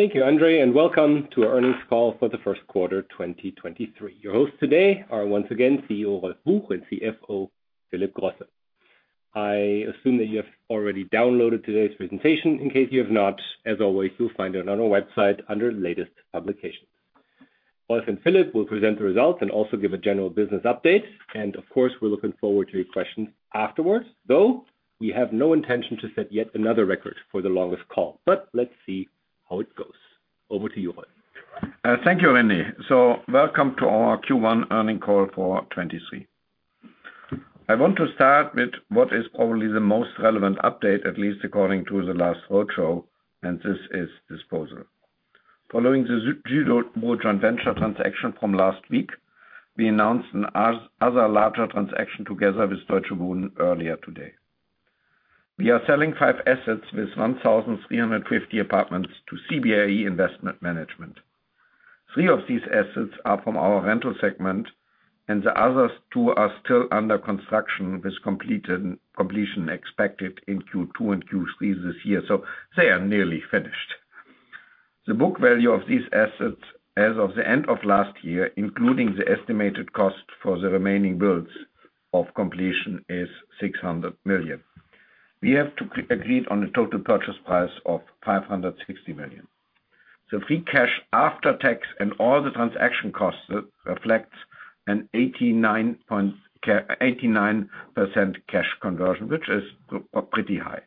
Thank you, André, and welcome to our earnings call for the Q1 2023. Your hosts today are once again CEO Rolf Buch and CFO Philip Grosse. I assume that you have already downloaded today's presentation. In case you have not, as always, you'll find it on our website under Latest Publications. Rolf and Philip will present the results and also give a general business update, and of course, we're looking forward to your questions afterwards. Though, we have no intention to set yet another record for the longest call. Let's see how it goes. Over to you, Rolf. Thank you, Rene. Welcome to our Q1 earnings call for 2023. I want to start with what is probably the most relevant update, at least according to the last roadshow. This is disposal. Following the Südewo joint venture transaction from last week, we announced another larger transaction together with Deutsche Wohnen earlier today. We are selling three assets with 1,350 apartments to CBRE Investment Management. Three of these assets are from our rental segment, and the others two are still under construction, with completion expected in Q2 and Q3 this year. They are nearly finished. The book value of these assets as of the end of last year, including the estimated cost for the remaining builds of completion, is 600 million. We have agreed on a total purchase price of 560 million. The free cash after tax and all the transaction costs reflects an 89% cash conversion, which is pretty high.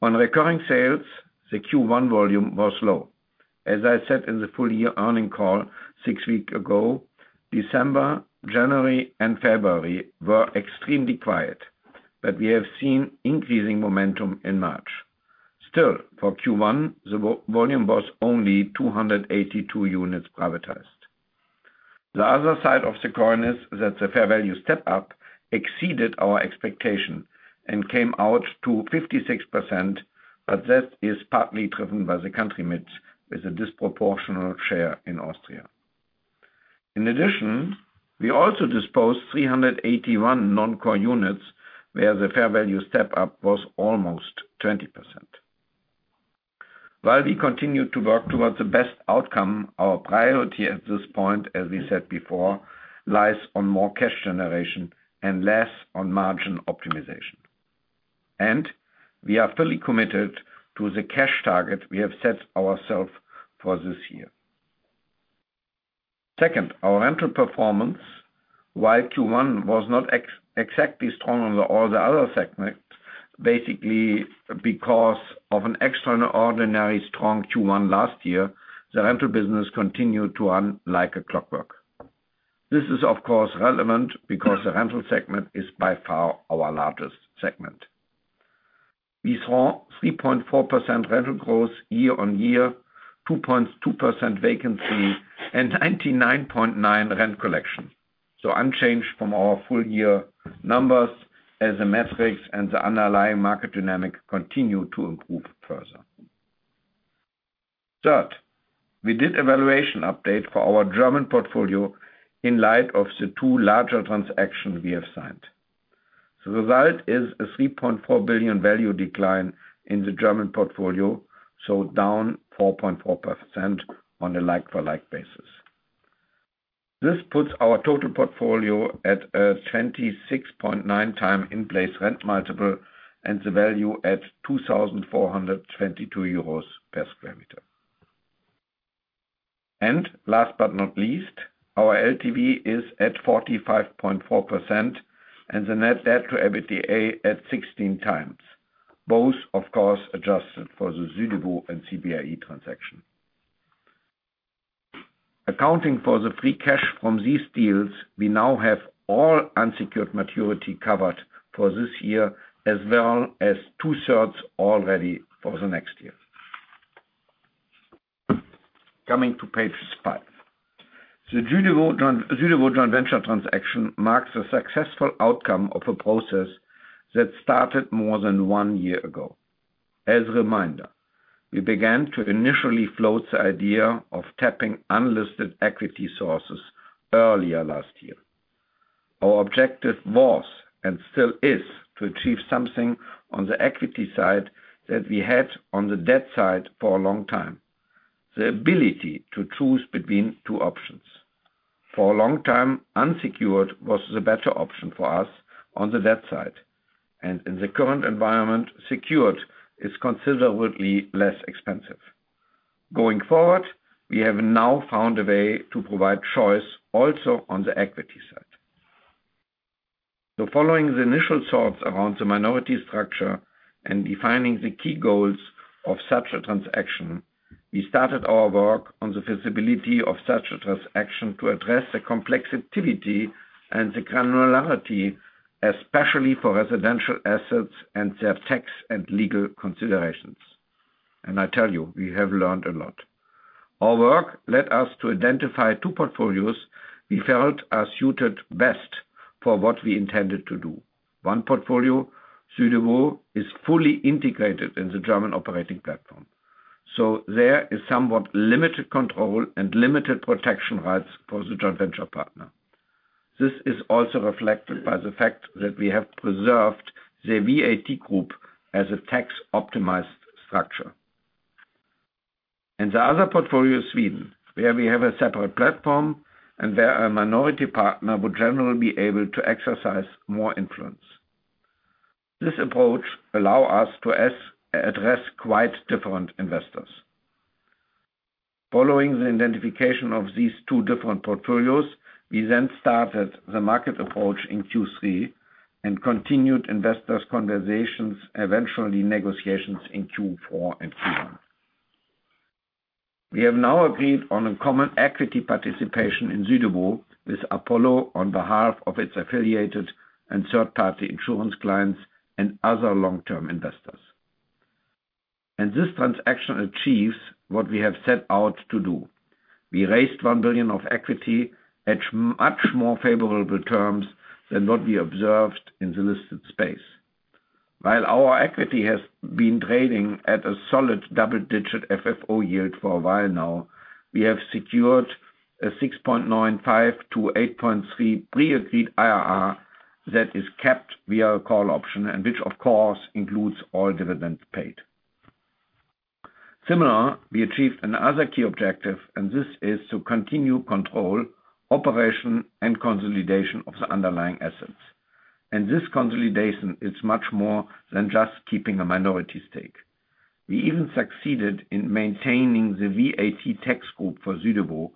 On recurring sales, the Q1 volume was low. As I said in the full year earnings call six weeks ago, December, January, and February were extremely quiet. We have seen increasing momentum in March. For Q1, the volume was only 282 units privatized. The other side of the coin is that the fair value step up exceeded our expectation and came out to 56%. That is partly driven by the country mix with a disproportional share in Austria. We also disposed 381 non-core units, where the fair value step up was almost 20%. While we continue to work towards the best outcome, our priority at this point, as we said before, lies in more cash generation and less on margin optimization. We are fully committed to the cash target we have set ourself for this year. Second, our rental performance, while Q1 was not exactly strong on all the other segments, basically because of an extraordinary strong Q1 last year, the rental business continued to run like a clockwork. This is of course relevant because the rental segment is by far our largest segment. We saw 3.4% rental growth year-over-year, 2.2% vacancy, and 99.9% rent collection, so unchanged from our full year numbers as the metrics and the underlying market dynamic continue to improve further. We did a valuation update for our German portfolio in light of the two larger transactions we have signed. The result is a 3.4 billion value decline in the German portfolio, down 4.4% on a like-for-like basis. This puts our total portfolio at a 26.9x in place rent multiple and the value at 2,422 euros per square meter. Last but not least, our LTV is at 45.4%, and the net debt to EBITDA at 16x. Both of course adjusted for the Südewo and CBRE transaction. Accounting for the free cash from these deals, we now have all unsecured maturity covered for this year as well as two-thirds already for the next year. Coming to page 5. The Südewo joint venture transaction marks a successful outcome of a process that started more than one year ago. As a reminder, we began to initially float the idea of tapping unlisted equity sources earlier last year. Our objective was, and still is, to achieve something on the equity side that we had on the debt side for a long time, the ability to choose between two options. For a long time, unsecured was the better option for us on the debt side. In the current environment, secured is considerably less expensive. Going forward, we have now found a way to provide choice also on the equity side. Following the initial thoughts around the minority structure and defining the key goals of such a transaction, we started our work on the feasibility of such a transaction to address the complexity and the granularity, especially for residential assets and their tax and legal considerations. I tell you, we have learned a lot. Our work led us to identify two portfolios we felt are suited best for what we intended to do. One portfolio, Südewo, is fully integrated in the German operating platform. There is somewhat limited control and limited protection rights for the joint venture partner. This is also reflected by the fact that we have preserved the VAT group as a tax-optimized structure. The other portfolio is Sweden, where we have a separate platform, and where a minority partner would generally be able to exercise more influence. This approach allows us to address quite different investors. Following the identification of these two different portfolios, we then started the market approach in Q3, and continued investors conversations, eventually negotiations in Q4 and Q1. We have now agreed on a common equity participation in Südewo with Apollo on behalf of its affiliated and third-party insurance clients and other long-term investors. This transaction achieves what we have set out to do. We raised 1 billion of equity at much more favorable terms than what we observed in the listed space. While our equity has been trading at a solid double-digit FFO yield for a while now, we have secured a 6.95%-8.3% pre-agreed IRR that is capped via a call option, and which, of course, includes all dividends paid. Similar, we achieved another key objective, and this is to continue control, operation, and consolidation of the underlying assets. This consolidation is much more than just keeping a minority stake. We even succeeded in maintaining the VAT tax group for Südewo,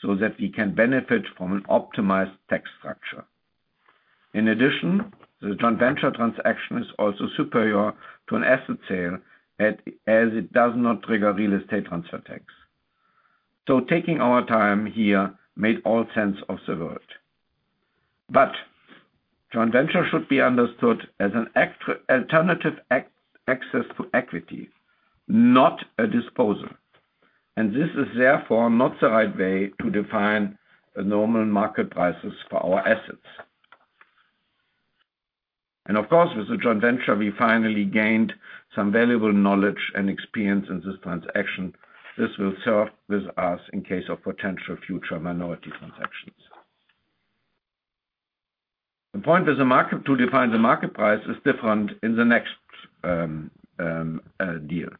so that we can benefit from an optimized tax structure. In addition, the joint venture transaction is also superior to an asset sale, as it does not trigger real estate transfer tax. Taking our time here made all sense of the world. Joint venture should be understood as an extra alternative access to equity, not a disposal. This is therefore not the right way to define the normal market prices for our assets. Of course, with the joint venture, we finally gained some valuable knowledge and experience in this transaction. This will serve with us in case of potential future minority transactions. The point is the market, to define the market price is different in the next deal.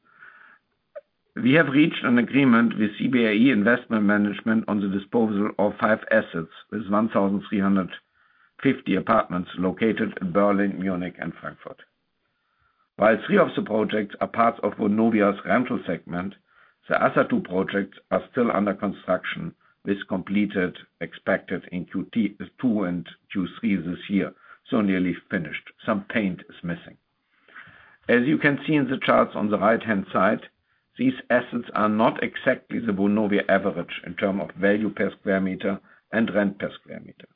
We have reached an agreement with CBRE Investment Management on the disposal of three assets with 1,350 apartments located in Berlin, Munich and Frankfurt. Three of the projects are part of Vonovia's rental segment, the other two projects are still under construction, with completion expected in Q2 and Q3 this year, so nearly finished. Some paint is missing. As you can see in the charts on the right-hand side, these assets are not exactly the Vonovia average in term of value per square meter and rent per square meter.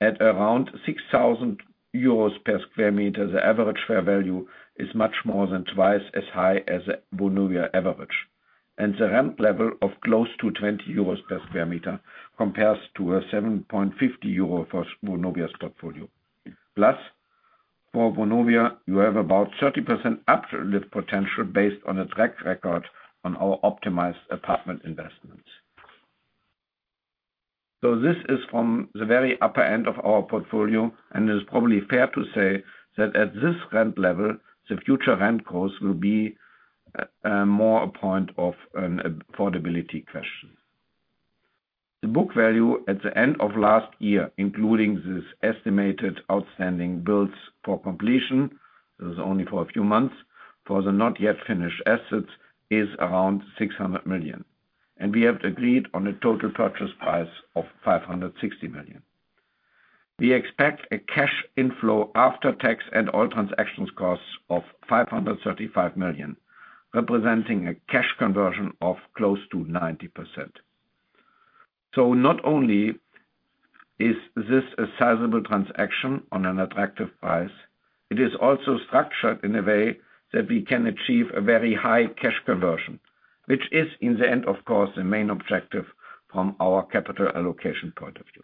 At around 6,000 euros per square meter, the average fair value is much more than twice as high as Vonovia average. The rent level of close to 20 euros per square meter compares to 7.50 euro for Vonovia's portfolio. For Vonovia, you have about 30% uplift potential based on a track record on our optimized apartment investments. This is from the very upper end of our portfolio, and it is probably fair to say that at this rent level, the future rent costs will be more a point of an affordability question. The book value at the end of last year, including this estimated outstanding bills for completion, it was only for a few months, for the not yet finished assets, is around 600 million. We have agreed on a total purchase price of 560 million. We expect a cash inflow after tax and all transaction costs of 535 million, representing a cash conversion of close to 90%. Not only is this a sizable transaction on an attractive price, it is also structured in a way that we can achieve a very high cash conversion, which is in the end, of course, the main objective from our capital allocation point of view.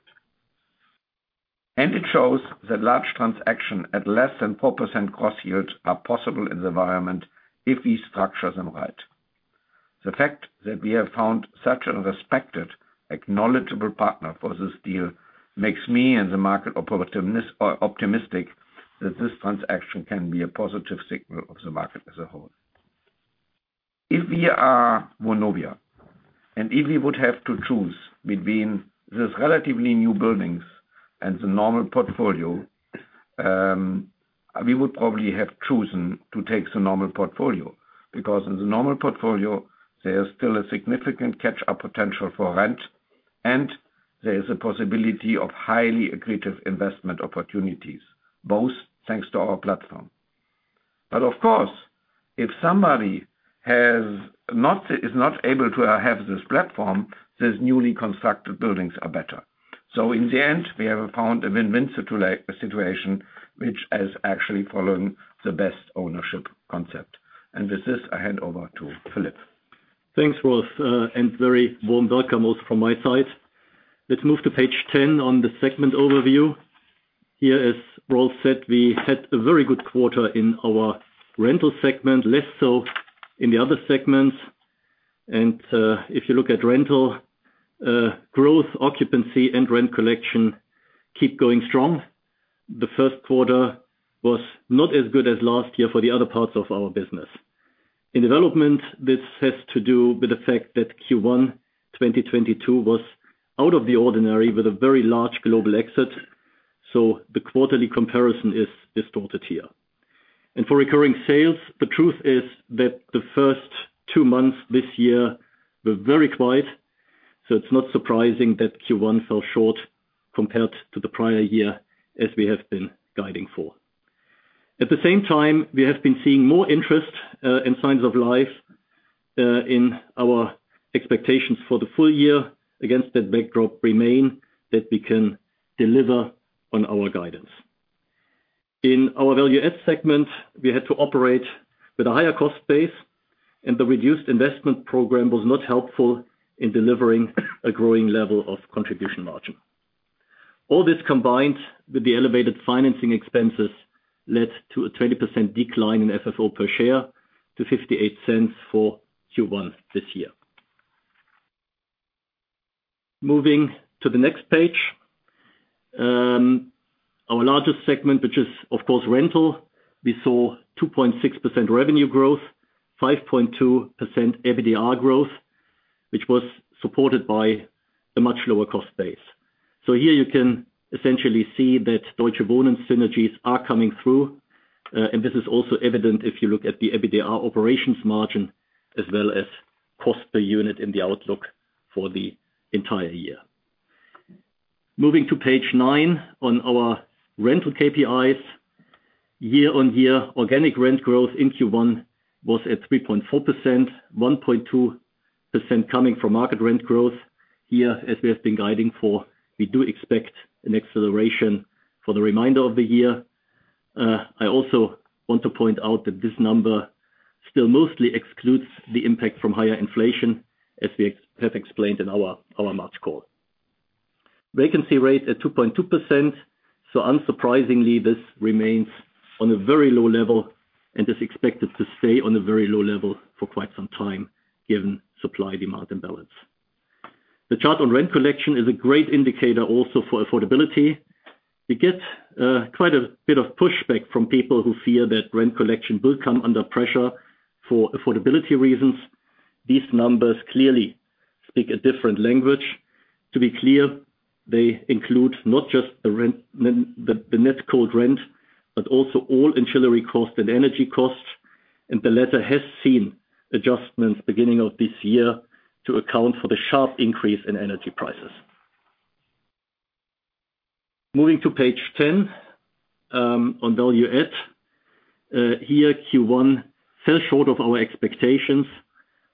It shows that large transaction at less than a 4% cost yield are possible in the environment if we structure them right. The fact that we have found such a respected, acknowledgeable partner for this deal makes me and the market optimistic that this transaction can be a positive signal of the market as a whole. If we are Vonovia, and if we would have to choose between these relatively new buildings and the normal portfolio, we would probably have chosen to take the normal portfolio. In the normal portfolio, there is still a significant catch-up potential for rent, and there is a possibility of highly accretive investment opportunities, both thanks to our platform. Of course, if somebody is not able to have this platform, these newly constructed buildings are better. In the end, we have found a win-win situation which is actually following the best ownership concept. With this, I hand over to Philip. Thanks, Rolf, very warm welcome also from my side. Let's move to page 10 on the segment overview. Here, as Rolf said, we had a very good quarter in our rental segment, less so in the other segments. If you look at rental growth, occupancy and rent collection keep going strong. The Q1 was not as good as last year for the other parts of our business. In development, this has to do with the fact that Q1 2022 was out of the ordinary with a very large global exit. The quarterly comparison is distorted here. For recurring sales, the truth is that the first two months this year were very quiet, so it's not surprising that Q1 fell short compared to the prior year, as we have been guiding for. At the same time, we have been seeing more interest, in signs of life, in our expectations for the full year against that backdrop remain that we can deliver on our guidance. In our value add segment, we had to operate with a higher cost base and the reduced investment program was not helpful in delivering a growing level of contribution margin. All this combined with the elevated financing expenses led to a 20% decline in FFO per share to 0.58 for Q1 this year. Moving to the next page. Our largest segment, which is of course rental, we saw 2.6% revenue growth, 5.2% EBITDA growth, which was supported by a much lower cost base. Here you can essentially see that Deutsche Wohnen synergies are coming through, and this is also evident if you look at the EBITDA operations margin as well as cost per unit in the outlook for the entire year. Moving to page nine on our rental KPIs. Year-on-year, organic rent growth in Q1 was at 3.4%, 1.2% coming from market rent growth. Here, as we have been guiding for, we do expect an acceleration for the remainder of the year. I also want to point out that this number still mostly excludes the impact from higher inflation, as we have explained in our March call. Vacancy rate at 2.2%. Unsurprisingly, this remains on a very low level and is expected to stay on a very low level for quite some time given supply-demand imbalance. The chart on rent collection is a great indicator also for affordability. We get quite a bit of pushback from people who fear that rent collection will come under pressure for affordability reasons. These numbers clearly speak a different language. To be clear, they include not just the rent, the net cold rent, but also all ancillary costs and energy costs. The latter has seen adjustments beginning of this year to account for the sharp increase in energy prices. Moving to page 10, on value add. Here Q1 fell short of our expectations.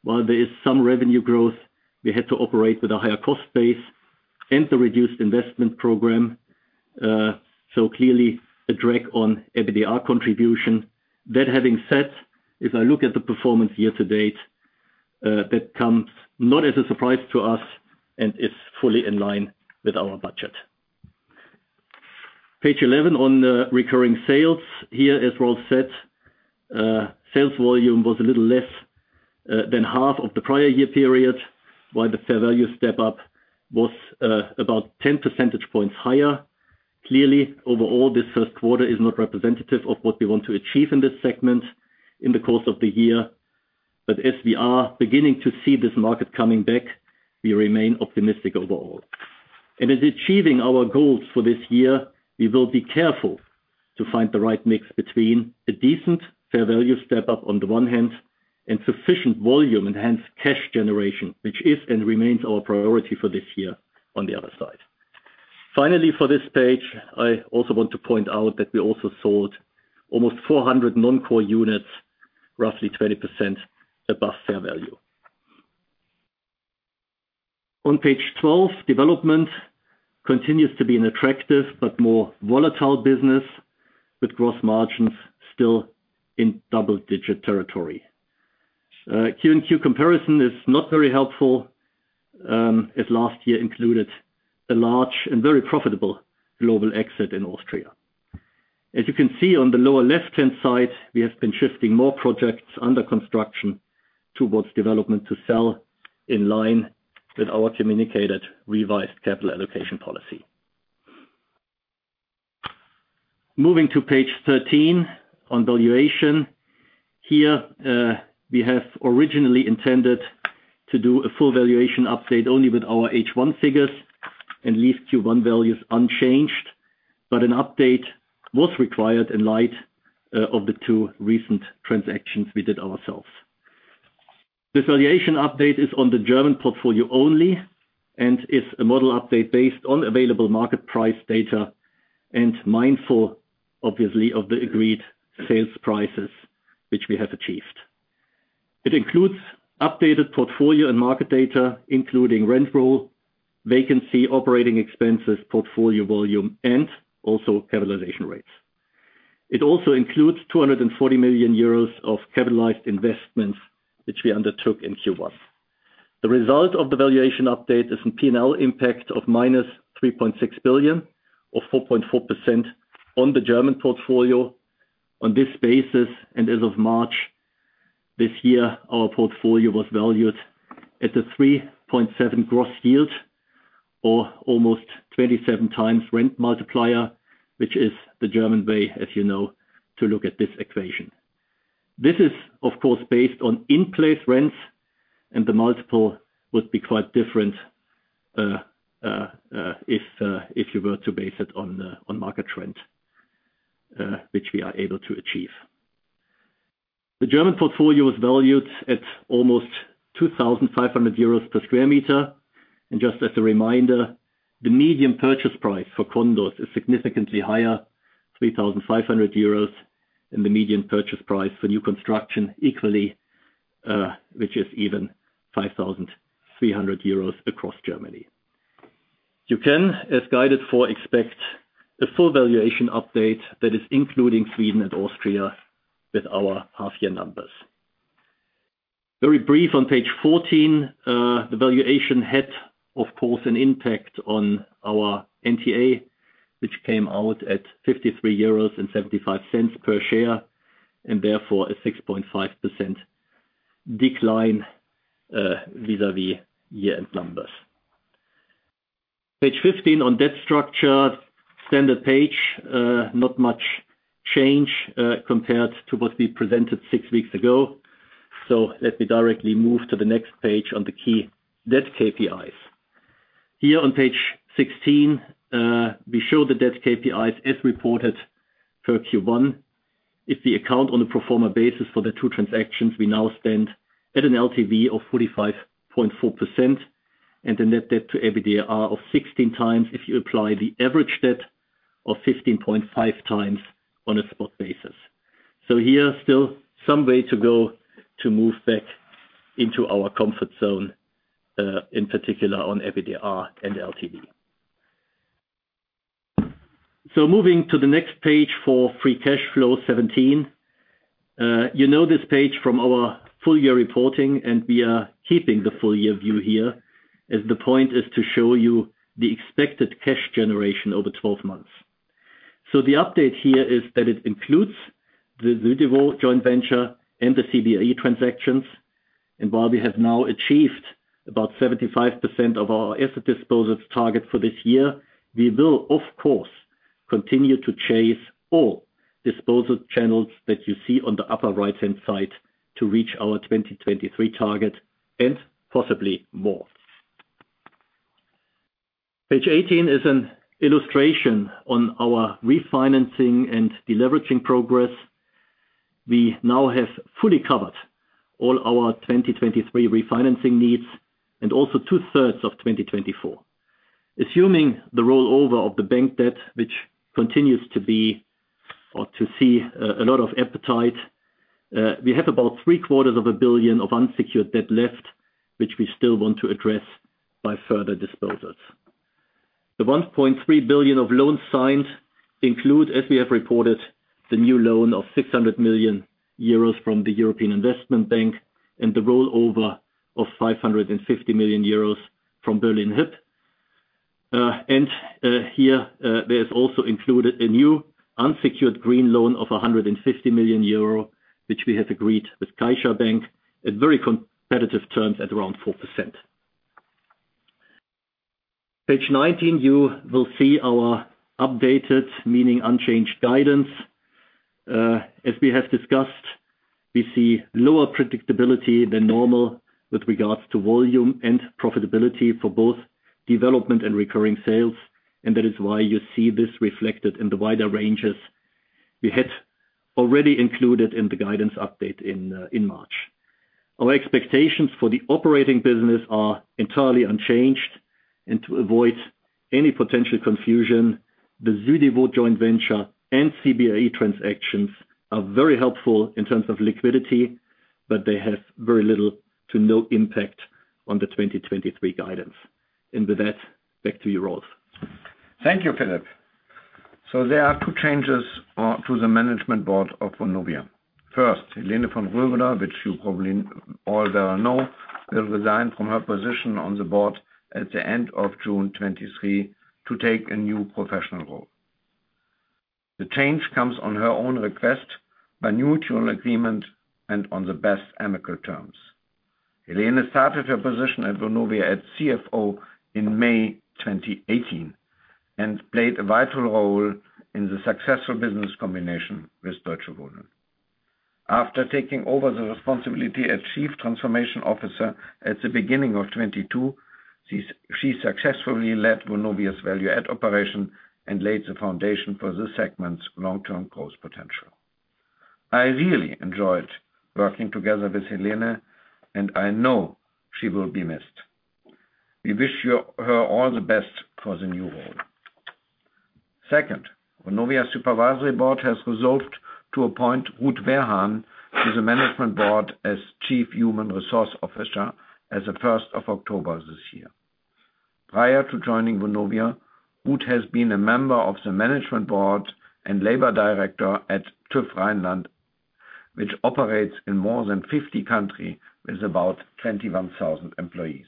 While there is some revenue growth, we had to operate with a higher cost base and the reduced investment program, so clearly a drag on EBITDA contribution. That having said, if I look at the performance year-to-date, that comes not as a surprise to us and it's fully in line with our budget. Page 11 on recurring sales. Here, as Rolf said, sales volume was a little less than half of the prior year period, while the fair value step up was about 10 percentage points higher. Clearly, overall, this Q1 is not representative of what we want to achieve in this segment in the course of the year. As we are beginning to see this market coming back, we remain optimistic overall. In achieving our goals for this year, we will be careful to find the right mix between a decent fair value step up on the one hand, and sufficient volume, enhance cash generation, which is and remains our priority for this year on the other side. Finally, for this page, I also want to point out that we also sold almost 400 non-core units, roughly 20% above fair value. On page 12, development continues to be an attractive but more volatile business with gross margins still in double-digit territory. Q&Q comparison is not very helpful, as last year included a large and very profitable global exit in Austria. As you can see on the lower left-hand side, we have been shifting more projects under construction towards development to sell in line with our communicated revised capital allocation policy. Moving to page 13 on valuation. Here, we have originally intended to do a full valuation update only with our H1 figures and leave Q1 values unchanged. An update was required in light of the two recent transactions we did ourselves. This valuation update is on the German portfolio only and is a model update based on available market price data and mindful, obviously, of the agreed sales prices which we have achieved. It includes updated portfolio and market data, including rent roll, vacancy, operating expenses, portfolio volume, and also capitalization rates. It also includes 240 million euros of capitalized investments which we undertook in Q1. The result of the valuation update is in P&L impact of minus 3.6 billion or 4.4% on the German portfolio. On this basis, and as of March this year, our portfolio was valued at the 3.7% gross yield, or almost 27x rent multiplier, which is the German way, as you know, to look at this equation. This is, of course, based on in-place rents, and the multiple would be quite different if you were to base it on market rent, which we are able to achieve. The German portfolio was valued at almost 2,500 euros per square meter. Just as a reminder, the median purchase price for condos is significantly higher, EUR 3,500, and the median purchase price for new construction equally, which is even 5,300 euros across Germany. You can, as guided for, expect a full valuation update that is including Sweden and Austria with our half year numbers. Very brief on page 14. The valuation had, of course, an impact on our NTA, which came out at 53.75 euros per share, and therefore a 6.5% decline vis-a-vis year-end numbers. Page 15 on debt structure. Standard page. Not much change compared to what we presented six weeks ago. Let me directly move to the next page on the key debt KPIs. Here on page 16, we show the debt KPIs as reported for Q1. If we account on a pro forma basis for the two transactions, we now stand at an LTV of 45.4% and a net debt to EBITDA of 16x if you apply the average debt of 15.5x on a spot basis. Here still some way to go to move back into our comfort zone, in particular on EBITDA and LTV. Moving to the next page for free cash flow, 17. You know this page from our full year reporting, and we are keeping the full year view here, as the point is to show you the expected cash generation over 12 months. The update here is that it includes the Südewo joint venture and the CBRE transactions. While we have now achieved about 75% of our asset disposals target for this year, we will of course, continue to chase all disposal channels that you see on the upper right-hand side to reach our 2023 target and possibly more. Page 18 is an illustration on our refinancing and deleveraging progress. We now have fully covered all our 2023 refinancing needs and also two-thirds of 2024. Assuming the rollover of the bank debt, which continues to be or to see a lot of appetite, we have about three quarters of a billion of unsecured debt left, which we still want to address by further disposals. The 1.3 billion of loans signed include, as we have reported, the new loan of 600 million euros from the European Investment Bank and the rollover of 550 million euros from Berlin Hyp. Here, there's also included a new unsecured green loan of 150 million euro, which we have agreed with CaixaBank at very competitive terms at around 4%. Page 19, you will see our updated, meaning unchanged guidance. As we have discussed, we see lower predictability than normal with regards to volume and profitability for both development and recurring sales. That is why you see this reflected in the wider ranges we had already included in the guidance update in March. Our expectations for the operating business are entirely unchanged. To avoid any potential confusion, the Südewo joint venture and CBRE transactions are very helpful in terms of liquidity, but they have very little to no impact on the 2023 guidance. With that, back to you, Rolf. Thank you, Philip. There are two changes to the management board of Vonovia. First, Helene von Roeder, which you probably all know, will resign from her position on the board at the end of June 2023 to take a new professional role. The change comes on her own request by mutual agreement and on the best amicable terms. Helene started her position at Vonovia as CFO in May 2018, and played a vital role in the successful business combination with Deutsche Wohnen. After taking over the responsibility as chief transformation officer at the beginning of 2022, she successfully led Vonovia's value add operation and laid the foundation for this segment's long-term growth potential. I really enjoyed working together with Helene, and I know she will be missed. We wish her all the best for the new role. Second, Vonovia Supervisory Board has resolved to appoint Ruth Werhahn to the management board as Chief Human Resources Officer as of October 1, 2023. Prior to joining Vonovia, Ruth has been a member of the management board and labor director at TÜV Rheinland AG, which operates in more than 50 country with about 21,000 employees.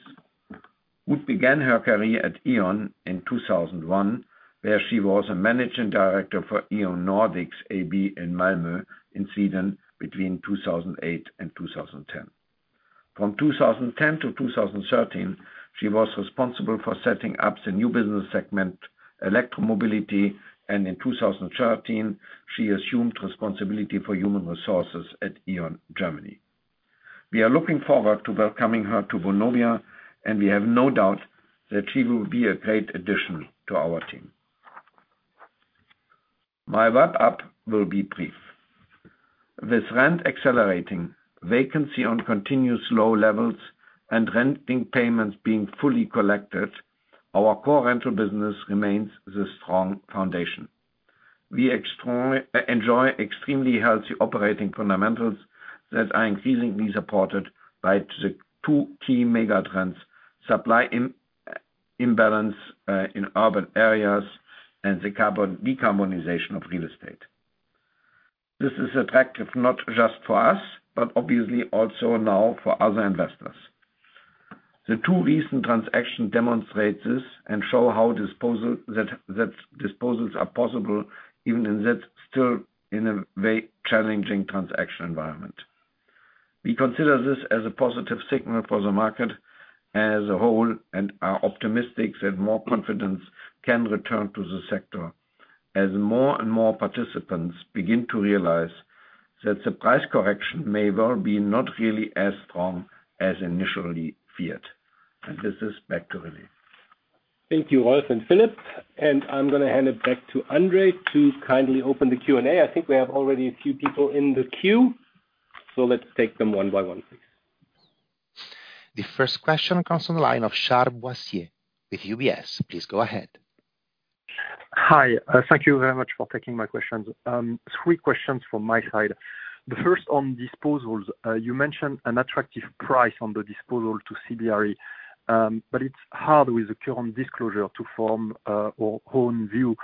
Werhahn began her career at E.ON in 2001, where she was a managing director for E.ON Nordics AB in Malmö in Sweden between 2008 and 2010. From 2010 to 2013, she was responsible for setting up the new business segment, electromobility, and in 2013 she assumed responsibility for human resources at E.ON Germany. We are looking forward to welcoming her to Vonovia, and we have no doubt that she will be a great addition to our team. My wrap up will be brief. With rent accelerating, vacancy on continuous low levels and renting payments being fully collected, our core rental business remains the strong foundation. We enjoy extremely healthy operating fundamentals that are increasingly supported by the two key megatrends: supply imbalance in urban areas and the decarbonization of real estate. This is attractive not just for us, but obviously also now for other investors. The two recent transaction demonstrates this and show how that disposals are possible even in that still in a very challenging transaction environment. We consider this as a positive signal for the market as a whole, and are optimistic that more confidence can return to the sector as more and more participants begin to realize that the price correction may well be not really as strong as initially feared. This is back to Willy. Thank you, Rolf and Philip. I'm gonna hand it back to Andre to kindly open the Q&A. I think we have already a few people in the queue, let's take them one by one, please. The first question comes from the line of Charles Boissier with UBS. Please go ahead. Hi, thank you very much for taking my questions. Three questions from my side. The first on disposals. You mentioned an attractive price on the disposal to CBRE, but it's hard with the current disclosure to form our own view.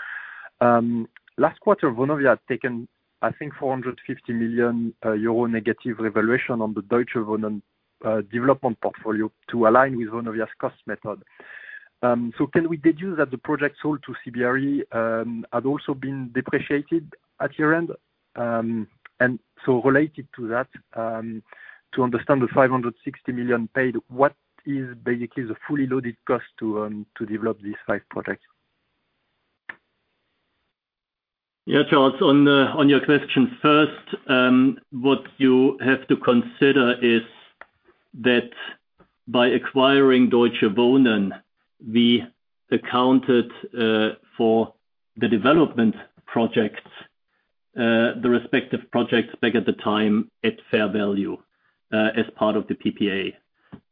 Last quarter, Vonovia had taken, I think, 450 million euro negative revaluation on the Deutsche Wohnen development portfolio to align with Vonovia's cost method. Can we deduce that the project sold to CBRE had also been depreciated at your end? Related to that, to understand the 560 million paid, what is basically the fully loaded cost to develop these five projects? Yeah, Charles, on your question first, what you have to consider is that by acquiring Deutsche Wohnen, we accounted for the development projects, the respective projects back at the time at fair value as part of the PPA.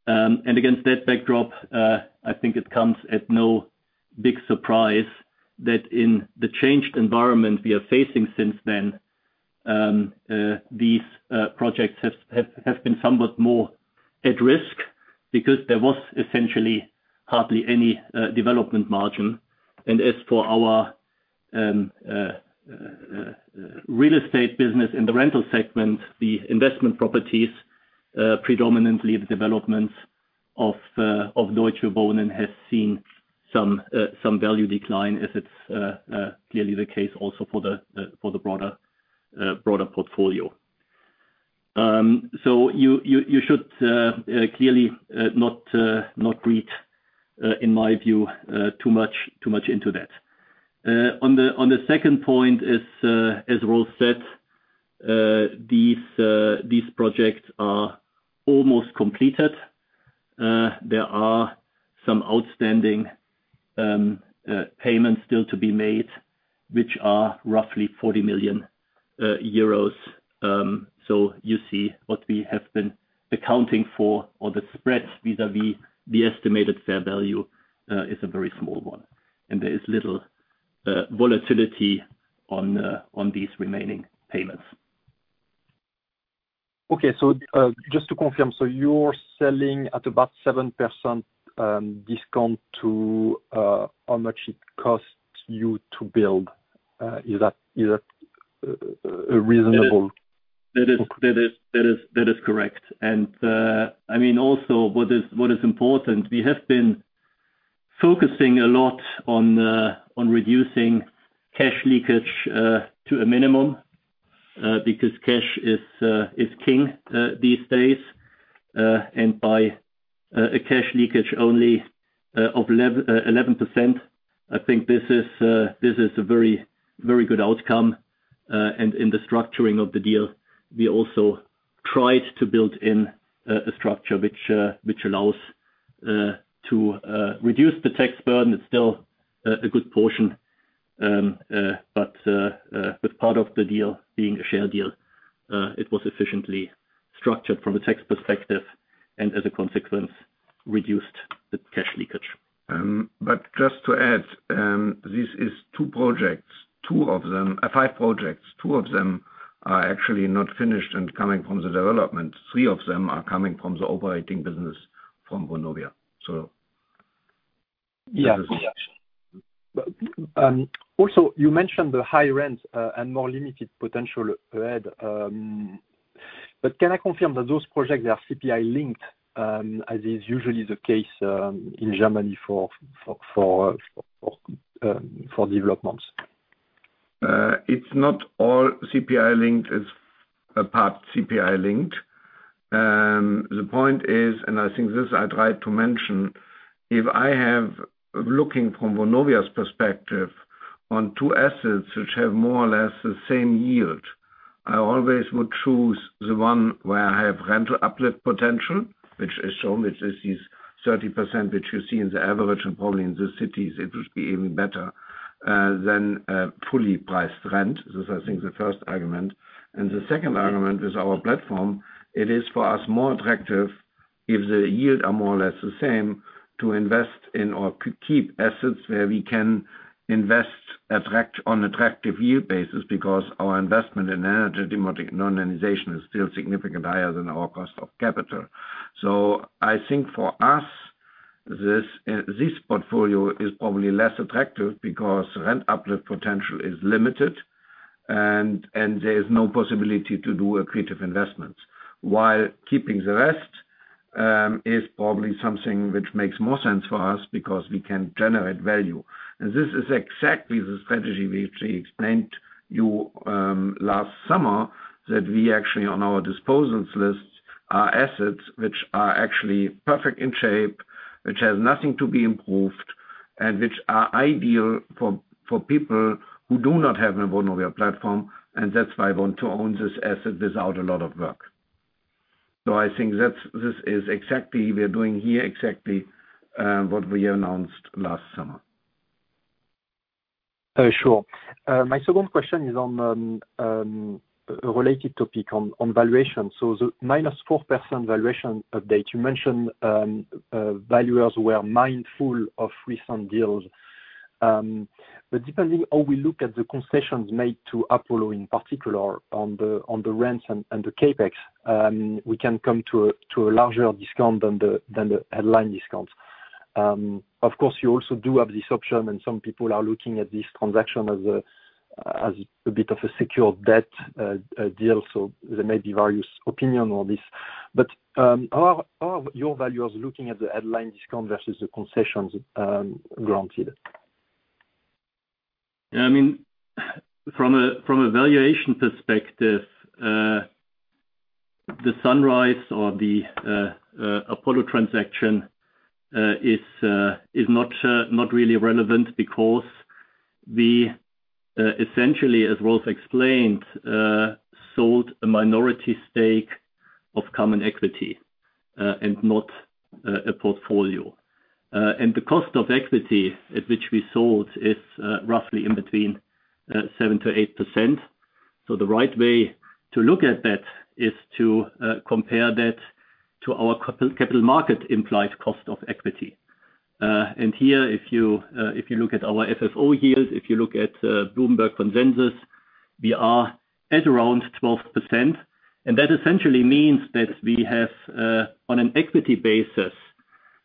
Against that backdrop, I think it comes at no big surprise that in the changed environment we are facing since then, these projects have been somewhat more at risk because there was essentially hardly any development margin. As for our real estate business in the rental segment, the investment properties, predominantly the developments of Deutsche Wohnen has seen some value decline as it's clearly the case also for the broader portfolio. early not read, in my view, too much into that. On the second point, as Rolf said, these projects are almost completed. There are some outstanding payments still to be made, which are roughly 40 million euros. So you see what we have been accounting for or the spreads vis-a-vis the estimated fair value is a very small one, and there is little volatility on these remaining payments. Just to confirm, so you're selling at about 7% discount to how much it costs you to build. Is that reasonable? That is correct. I mean, also what is important, we have been focusing a lot on reducing cash leakage to a minimum, because cash is king these days. By a cash leakage only of 11%, I think this is a very, very good outcome. In the structuring of the deal, we also tried to build in a structure which allows to reduce the tax burden. It's still a good portion, but with part of the deal being a share deal, it was efficiently structured from a tax perspective and as a consequence, reduced the cash leakage. Just to add, five projects, two of them are actually not finished and coming from the development. Three of them are coming from the operating business from Vonovia. Yeah. Yeah. Also you mentioned the high rent, and more limited potential ahead. Can I confirm that those projects are CPI linked, as is usually the case in Germany for developments? It's not all CPI linked. It's a part CPI linked. The point is, and I think this I tried to mention, if I have, looking from Vonovia's perspective on two assets which have more or less the same yield, I always would choose the one where I have rental uplift potential, which is shown, which is this 30% which you see in the average, and probably in the cities it would be even better than a fully priced rent. This is, I think, the first argument. The second argument is our platform. It is for us more attractive if the yield are more or less the same to invest in or keep assets where we can invest on attractive yield basis, because our investment in energetic modernization is still significantly higher than our cost of capital. I think for us, this portfolio is probably less attractive because rent uplift potential is limited, and there is no possibility to do accretive investments. While keeping the rest is probably something which makes more sense for us because we can generate value. This is exactly the strategy which we explained to you last summer, that we actually on our disposals list are assets which are actually perfect in shape, which has nothing to be improved, and which are ideal for people who do not have a Vonovia platform, and that's why they want to own this asset without a lot of work. I think that's, this is exactly, we are doing here exactly what we announced last summer. Sure. My second question is on a related topic, on valuation. The minus 4% valuation update, you mentioned, valuers were mindful of recent deals. Depending how we look at the concessions made to Apollo in particular on the rents and the CapEx, we can come to a larger discount than the headline discount. Of course, you also do have this option, and some people are looking at this transaction as a bit of a secured debt deal, so there may be various opinion on this. How are your valuers looking at the headline discount versus the concessions granted? I mean, from a valuation perspective, the sunrise or the Apollo transaction is not really relevant because we essentially, as Rolf explained, sold a minority stake of common equity and not a portfolio. The cost of equity at which we sold is roughly in between 7%-8%. The right way to look at that is to compare that to our capital market implied cost of equity. Here, if you look at our FFO yields, if you look at Bloomberg consensus, we are at around 12%. That essentially means that we have on an equity basis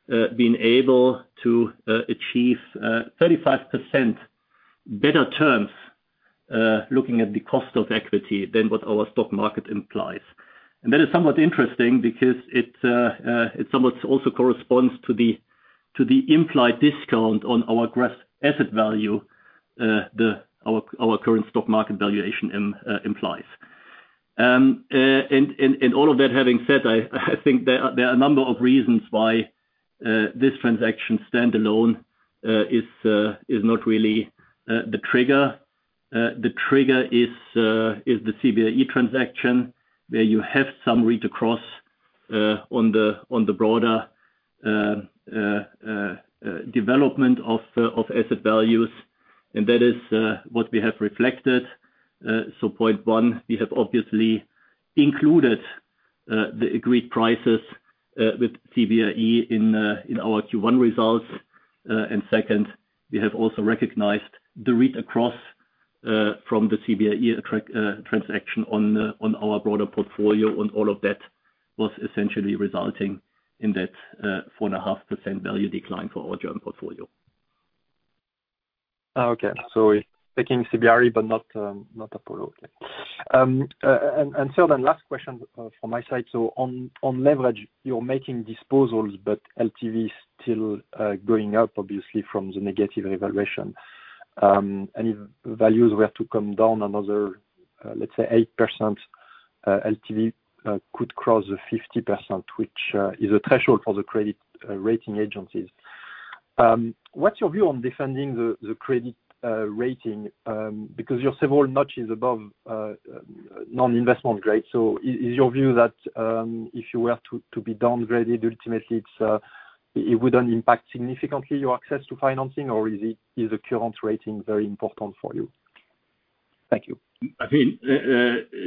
been able to achieve 35% better terms looking at the cost of equity than what our stock market implies. That is somewhat interesting because it it somewhat also corresponds to the implied discount on our gross asset value, the our current stock market valuation implies. All of that having said, I think there are a number of reasons why this transaction standalone is not really the trigger. The trigger is the CBRE transaction, where you have some read across on the broader development of asset values. That is what we have reflected. ave obviously included the agreed prices with CBRE in our Q1 results. Second, we have also recognized the read across from the CBRE transaction on our broader portfolio, and all of that was essentially resulting in that 4.5% value decline for our German portfolio.</p Okay. Taking CBRE but not Apollo. Okay. Then last question from my side. On leverage, you're making disposals, but LTV is still going up obviously from the negative revaluation. If values were to come down another, let's say 8%, LTV could cross the 50%, which is a threshold for the credit rating agencies. What's your view on defending the credit rating? You're several notches above non-investment grade. Is your view that, if you were to be downgraded, ultimately it wouldn't impact significantly your access to financing, or is the current rating very important for you? Thank you. I think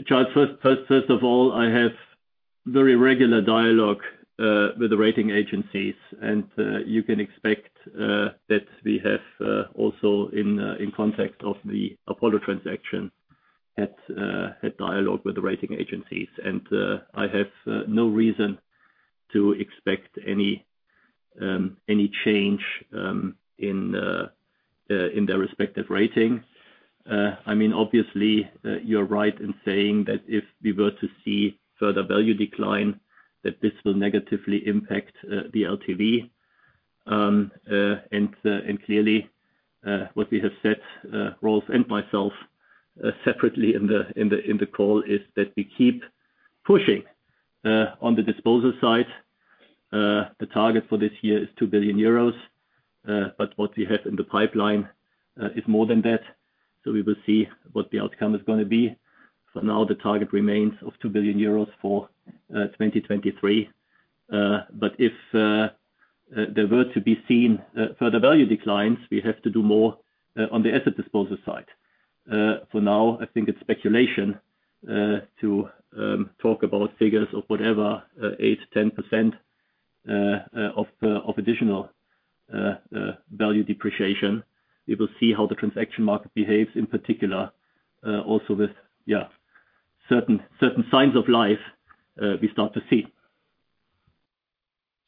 Charles, first of all, I have very regular dialogue with the rating agencies. You can expect that we have also in context of the Apollo transaction had dialogue with the rating agencies. I have no reason to expect any change in their respective rating. I mean obviously, you're right in saying that if we were to see further value decline, that this will negatively impact the LTV. Clearly, what we have said, Rolf and myself, separately in the call, is that we keep pushing on the disposal side. The target for this year is 2 billion euros. What we have in the pipeline is more than that, so we will see what the outcome is gonna be. For now, the target remains of 2 billion euros for 2023. If there were to be seen further value declines, we have to do more on the asset disposal side. For now, I think it's speculation to talk about figures of whatever, 8%-10% of additional value depreciation. We will see how the transaction market behaves in particular, also with certain signs of life we start to see.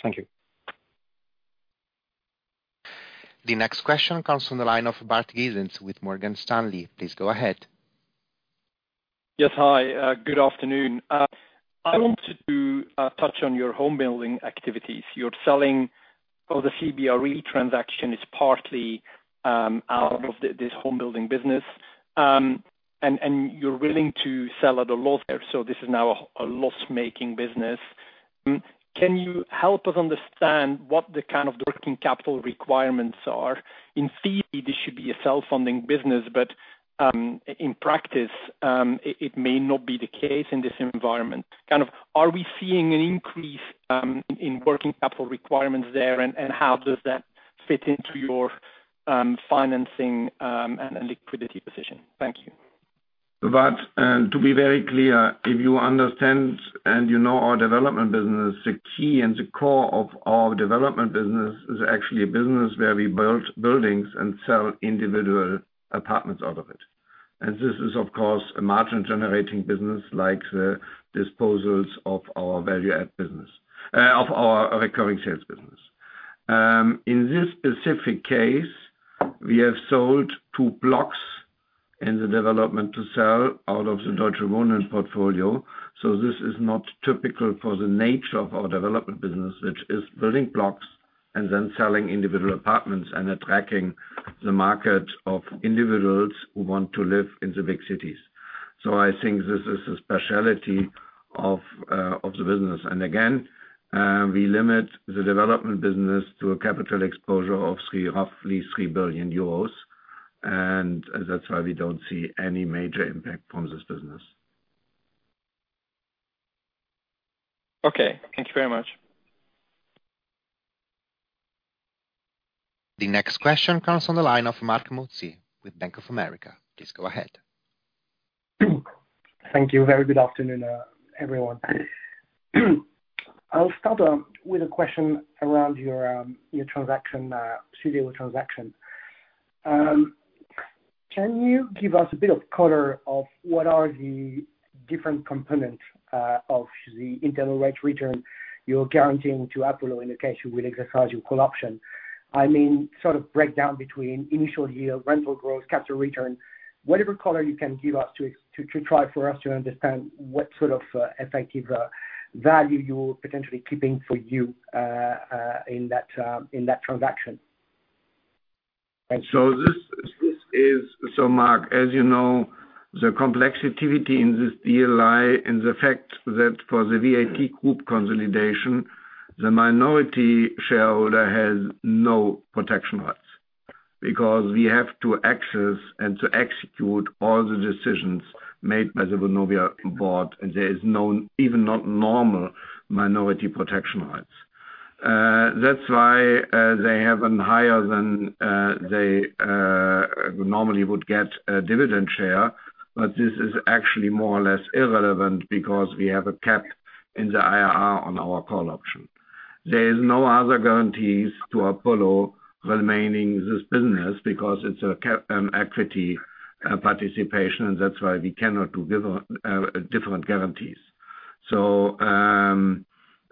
Thank you. The next question comes from the line of Bart Gysens with Morgan Stanley. Please go ahead. Yes. Hi, good afternoon. I want to touch on your home building activities. You're selling, or the CBRE transaction is partly out of this home building business. And you're willing to sell at a loss there, so this is now a loss-making business. Can you help us understand what the kind of working capital requirements are? In theory, this should be a self-funding business, but in practice, it may not be the case in this environment. Kind of, are we seeing an increase in working capital requirements there, and how does that fit into your financing and liquidity position? Thank you. To be very clear, if you understand and you know our development business, the key and the core of our development business is actually a business where we build buildings and sell individual apartments out of it. This is, of course, a margin-generating business like the disposals of our value add business, of our recurring sales business. In this specific case, we have sold two blocks in the development to sell out of the Deutsche Wohnen portfolio, so this is not typical for the nature of our development business, which is building blocks and then selling individual apartments and attracting the market of individuals who want to live in the big cities. I think this is a specialty of the business. We limit the development business to a capital exposure of roughly 3 billion euros, and that's why we don't see any major impact from this business. Okay. Thank you very much. The next question comes on the line of Marc Mozzi with Bank of America. Please go ahead. Thank you. Very good afternoon, everyone. I'll start with a question around your transaction, Südewo deal transaction. Can you give us a bit of color of what are the different components of the internal rate return you're guaranteeing to Apollo in the case you will exercise your call option? I mean, sort of breakdown between initial yield, rental growth, capital return, whatever color you can give us to try for us to understand what sort of effective value you're potentially keeping for you in that transaction. Thank you. This is Marc, as you know, the complexity in this deal lies in the fact that for the VAT group consolidation, the minority shareholder has no protection rights because we have to access and to execute all the decisions made by the Vonovia board. There is no, even not normal minority protection rights. That's why they have a higher than they normally would get a dividend share, but this is actually more or less irrelevant because we have a cap in the IRR on our call option. There is no other guarantees to Apollo remaining this business because it's a cap equity participation. That's why we cannot give different guarantees.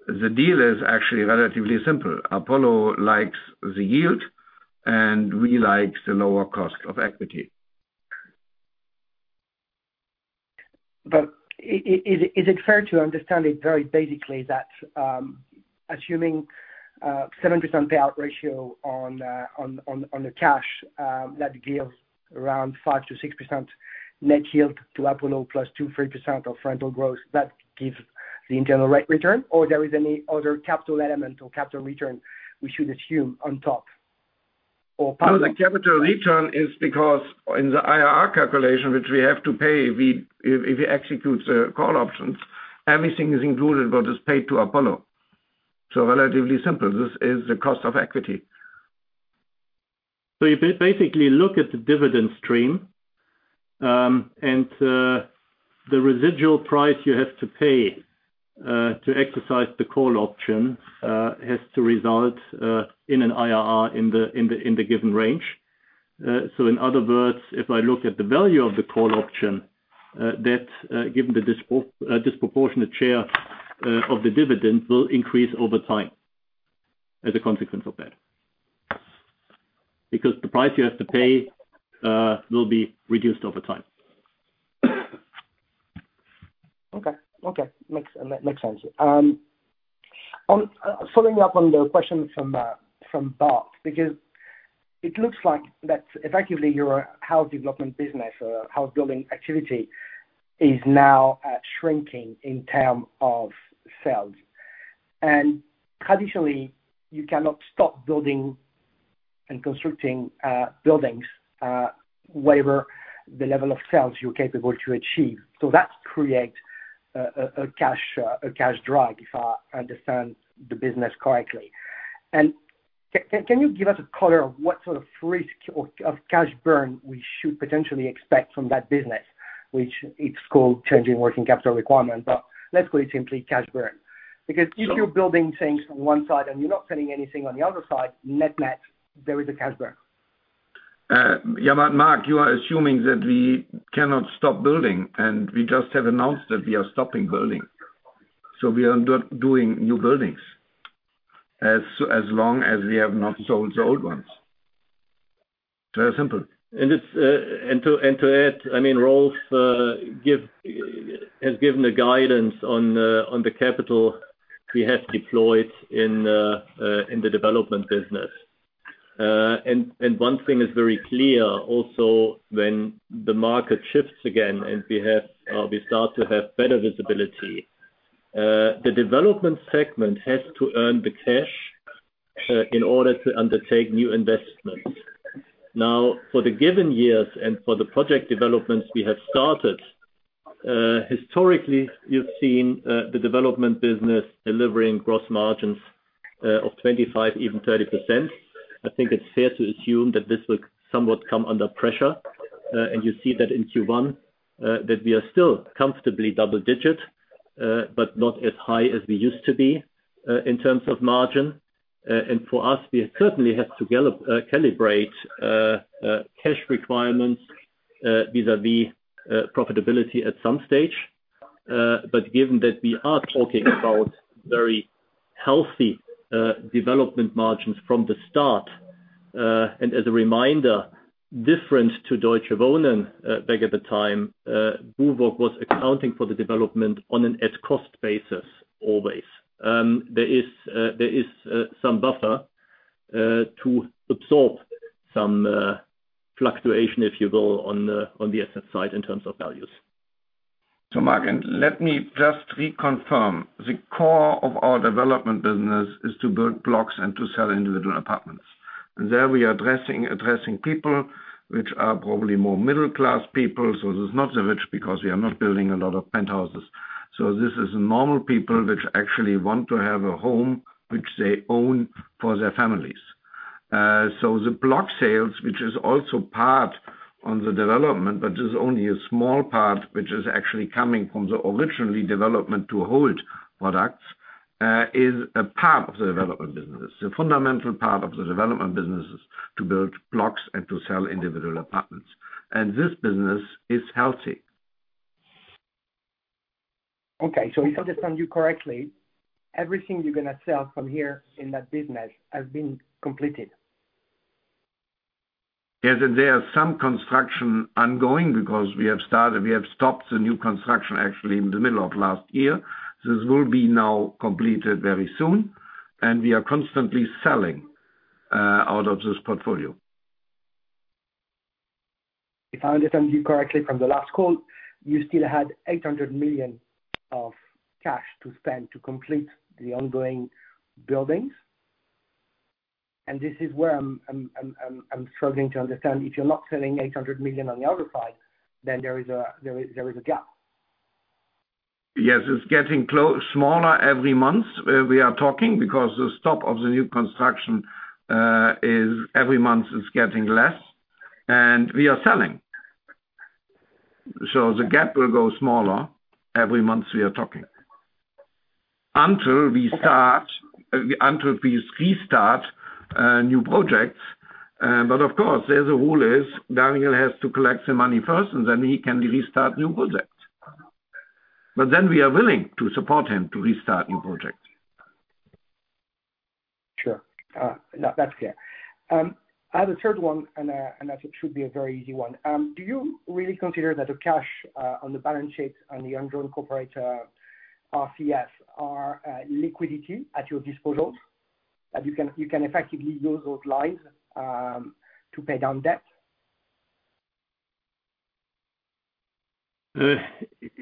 The deal is actually relatively simple. Apollo likes the yield, and we like the lower cost of equity. Is it fair to understand it very basically that, assuming a 7% payout ratio on the cash, that gives around 5%-6% net yield to Apollo, plus 2%-3% of rental growth, that gives the internal rate return? Or there is any other capital element or capital return we should assume on top? Or part of it- No, the capital return is because in the IRR calculation, which we have to pay if we execute the call options, everything is included what is paid to Apollo. Relatively simple, this is the cost of equity. You basically look at the dividend stream. The residual price you have to pay to exercise the call option has to result in an IRR in the given range. In other words, if I look at the value of the call option, that given the disproportionate share of the dividend will increase over time as a consequence of that. The price you have to pay will be reduced over time. Okay. Okay. Makes sense. Following up on the question from Bart, because it looks like that effectively your house development business or house building activity is now shrinking in term of sales. Traditionally, you cannot stop building and constructing buildings, whatever the level of sales you're capable to achieve. That creates a cash drag, if I understand the business correctly. Can you give us a color of what sort of risk or of cash burn we should potentially expect from that business, which it's called changing working capital requirement, but let's put it simply cash burn. If you're building things from one side and you're not selling anything on the other side, net-net, there is a cash burn. Marc, you are assuming that we cannot stop building, we just have announced that we are stopping building. We are not doing new buildings as long as we have not sold the old ones. Very simple. It's, I mean, Rolf Buch Has given the guidance on the capital we have deployed in the development business. One thing is very clear also when the market shifts again and we have, we start to have better visibility, the development segment has to earn the cash in order to undertake new investments. Now, for the given years and for the project developments we have started, historically, you've seen the development business delivering gross margins of 25%, even 30%. I think it's fair to assume that this will somewhat come under pressure. You see that in Q1 that we are still comfortably double digit, but not as high as we used to be in terms of margin. And for us, we certainly have to calibrate cash requirements vis-à-vis profitability at some stage. Given that we are talking about very healthy development margins from the start, and as a reminder, different to Deutsche Wohnen, back at the time, BUWOG was accounting for the development on an as cost basis always. There is some buffer to absorb some fluctuation, if you will, on the asset side in terms of values. Marc, and let me just reconfirm. The core of our development business is to build blocks and to sell individual apartments. There we are addressing people which are probably more middle class people, so it is not the rich because we are not building a lot of penthouses. This is normal people which actually want to have a home which they own for their families. The block sales, which is also part on the development, but is only a small part, which is actually coming from the originally development to hold products, is a part of the development business. The fundamental part of the development business is to build blocks and to sell individual apartments. This business is healthy. Okay. If I understand you correctly, everything you're gonna sell from here in that business has been completed? Yes. There are some construction ongoing because we have stopped the new construction actually in the middle of last year. This will be now completed very soon. We are constantly selling, out of this portfolio. If I understand you correctly from the last call, you still had 800 million of cash to spend to complete the ongoing buildings. This is where I'm struggling to understand. If you're not spending 800 million on the other side, then there is a gap. It's getting smaller every month, we are talking because the stop of the new construction is every month it's getting less, and we are selling. The gap will grow smaller every month we are talking. Until we restart new projects. Of course, there the rule is Daniel has to collect the money first, he can restart new projects. We are willing to support him to restart new projects. Sure. That, that's clear. I have a third one, and I think it should be a very easy one. Do you really consider that the cash on the balance sheet and the undrawn corporate RCF are liquidity at your disposal? That you can effectively use those lines to pay down debt?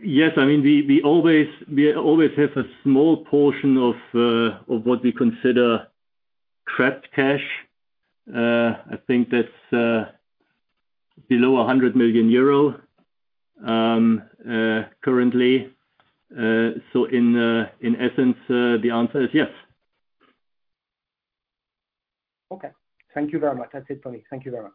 Yes. I mean, we always have a small portion of what we consider trapped cash. I think that's below 100 million euro currently. So in essence, the answer is yes. Okay. Thank you very much. That's it for me. Thank you very much.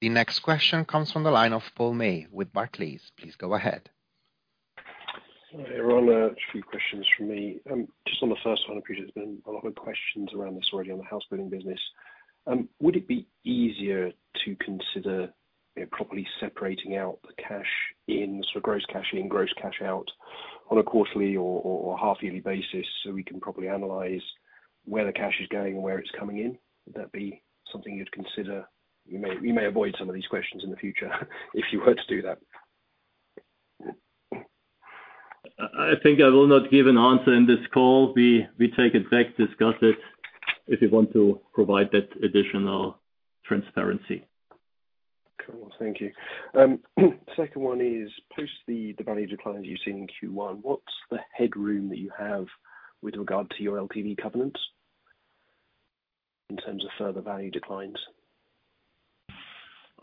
The next question comes from the line of Paul May with Barclays. Please go ahead. Hi, Roland. A few questions from me. Just on the first one, I appreciate there's been a lot of questions around this already on the housebuilding business. Would it be easier to consider, you know, properly separating out the cash in, sort of gross cash in, gross cash out on a quarterly or half yearly basis so we can properly analyze where the cash is going and where it's coming in? Would that be something you'd consider? You may avoid some of these questions in the future if you were to do that. I think I will not give an answer in this call. We take it back, discuss it if you want to provide that additional transparency. Cool. Thank you. Second one is post the value declines you've seen in Q1, what's the headroom that you have with regard to your LTV covenants in terms of further value declines?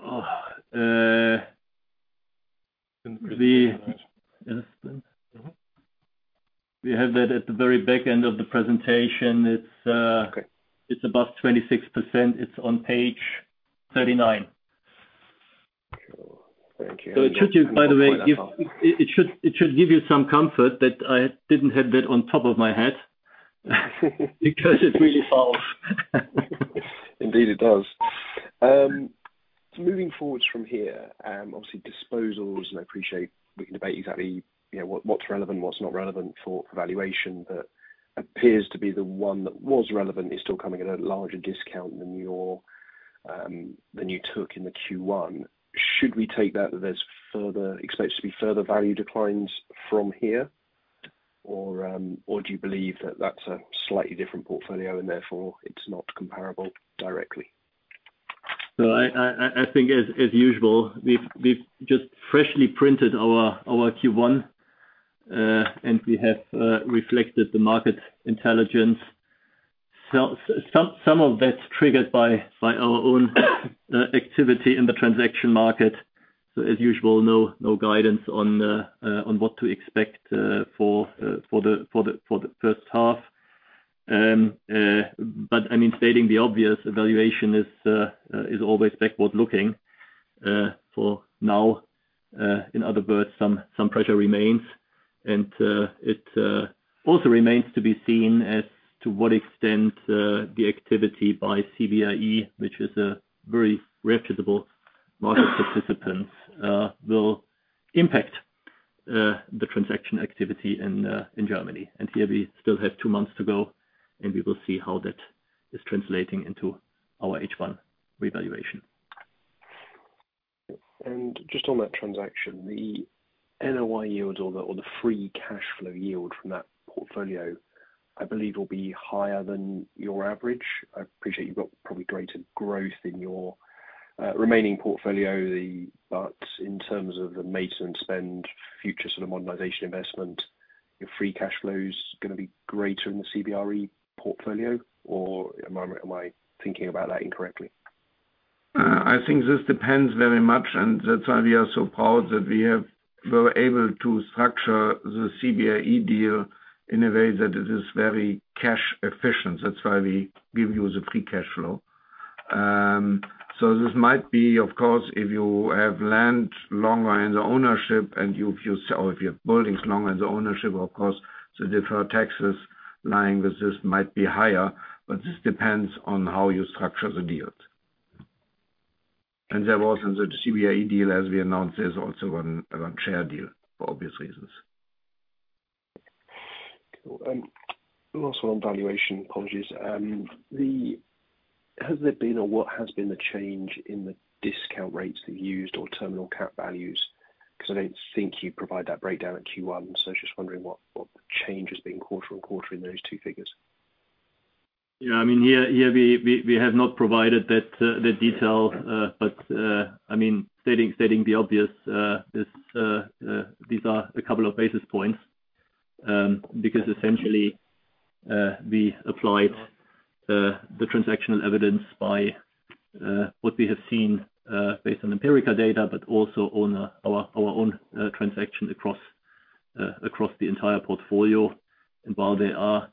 Uh, the... Mm-hmm. We have that at the very back end of the presentation. It's Okay. It's above 26%. It's on page 39. Cool. Thank you. It should, by the way, give. It should give you some comfort that I didn't have that on top of my head because it really falls. Indeed, it does. Moving forwards from here, obviously disposals, and I appreciate we can debate exactly, you know, what's relevant, what's not relevant for valuation, but appears to be the one that was relevant is still coming at a larger discount than your than you took in the Q1. Should we take that there's further, expects to be further value declines from here? Or do you believe that that's a slightly different portfolio and therefore it's not comparable directly? I think as usual, we've just freshly printed our Q1, and we have reflected the market intelligence. Some of that's triggered by our own activity in the transaction market. As usual, no guidance on what to expect for the first half. But I mean, stating the obvious evaluation is always backward looking for now. In other words, some pressure remains. It also remains to be seen as to what extent the activity by CBRE, which is a very reputable market participant, will impact the transaction activity in Germany. Here we still have two months to go, and we will see how that is translating into our H1 revaluation. Just on that transaction, the NOI yield or the free cash flow yield from that portfolio, I believe will be higher than your average. I appreciate you've got probably greater growth in your remaining portfolio. In terms of the maintenance spend, future sort of modernization investment, your free cash flow is gonna be greater in the CBRE portfolio? Am I thinking about that incorrectly? I think this depends very much, and that's why we are so proud that we were able to structure the CBRE deal in a way that it is very cash efficient. That's why we give you the free cash flow. So this might be of course, if you have land longer in the ownership and you've used, or if you have buildings longer in the ownership, of course, the deferred taxes lying with this might be higher, but this depends on how you structure the deals. There was in the CBRE deal, as we announced, there's also one share deal for obvious reasons. Cool. Last one on valuation. Apologies. Has there been or what has been the change in the discount rates you've used or terminal cap values? 'Cause I don't think you provide that breakdown at Q1, so just wondering what change has been quarter-on-quarter in those two figures. Yeah, I mean, here we have not provided that detail. I mean, stating the obvious, these are a couple of basis points, because essentially, we applied the transactional evidence by what we have seen, based on empirical data, but also on our own transaction across the entire portfolio. While there are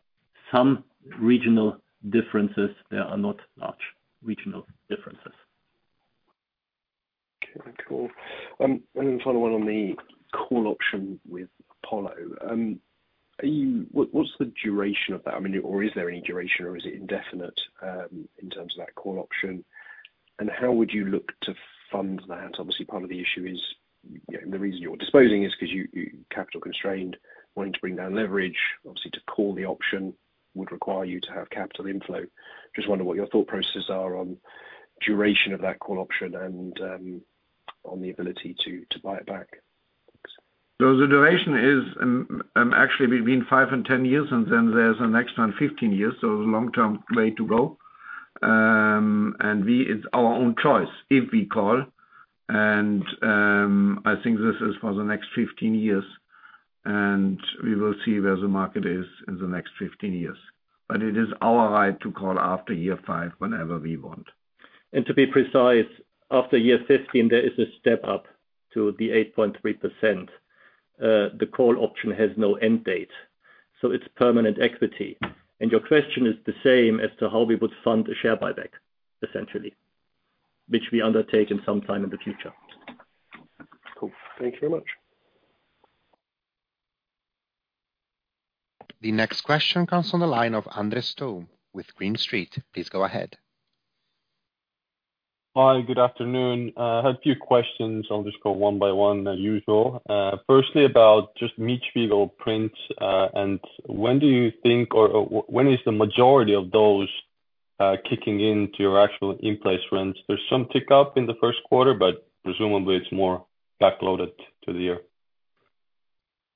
some regional differences, there are not large regional differences. Okay. Cool. The final one on the call option with Apollo. What's the duration of that? I mean, or is there any duration or is it indefinite, in terms of that call option? How would you look to fund that? Obviously, part of the issue is, you know, the reason you're disposing is 'cause you capital constrained, wanting to bring down leverage. Obviously, to call the option would require you to have capital inflow. Just wonder what your thought processes are on duration of that call option and on the ability to buy it back. Thanks. The duration is, actually between five and 10 years, and then there's the next one, 15 years. Long term way to go. It's our own choice if we call. I think this is for the next 15 years, and we will see where the market is in the next 15 years. It is our right to call after year five whenever we want. To be precise, after year 15, there is a step-up to the 8.3%. The call option has no end date, so it's permanent equity. Your question is the same as to how we would fund a share buyback, essentially, which we undertake in some time in the future. Cool. Thank you very much. The next question comes from the line of Andres Toome with Green Street. Please go ahead. Hi, good afternoon. I have a few questions. I'll just go one by one as usual. Firstly about just Mietspiegel prints. When do you think or when is the majority of those kicking into your actual in-place rents? There's some tick up in the Q1, presumably it's more backloaded to the year.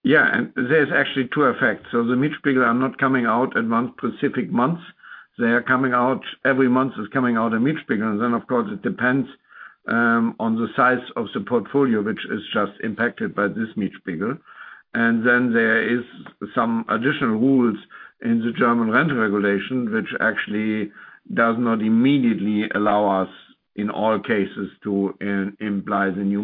There's actually two effects. The Mietspiegel are not coming out in one specific month. They are coming out, every month is coming out a Mietspiegel. Of course, it depends on the size of the portfolio, which is just impacted by this Mietspiegel. There is some additional rules in the German rent regulation, which actually does not immediately allow us, in all cases, to imply the new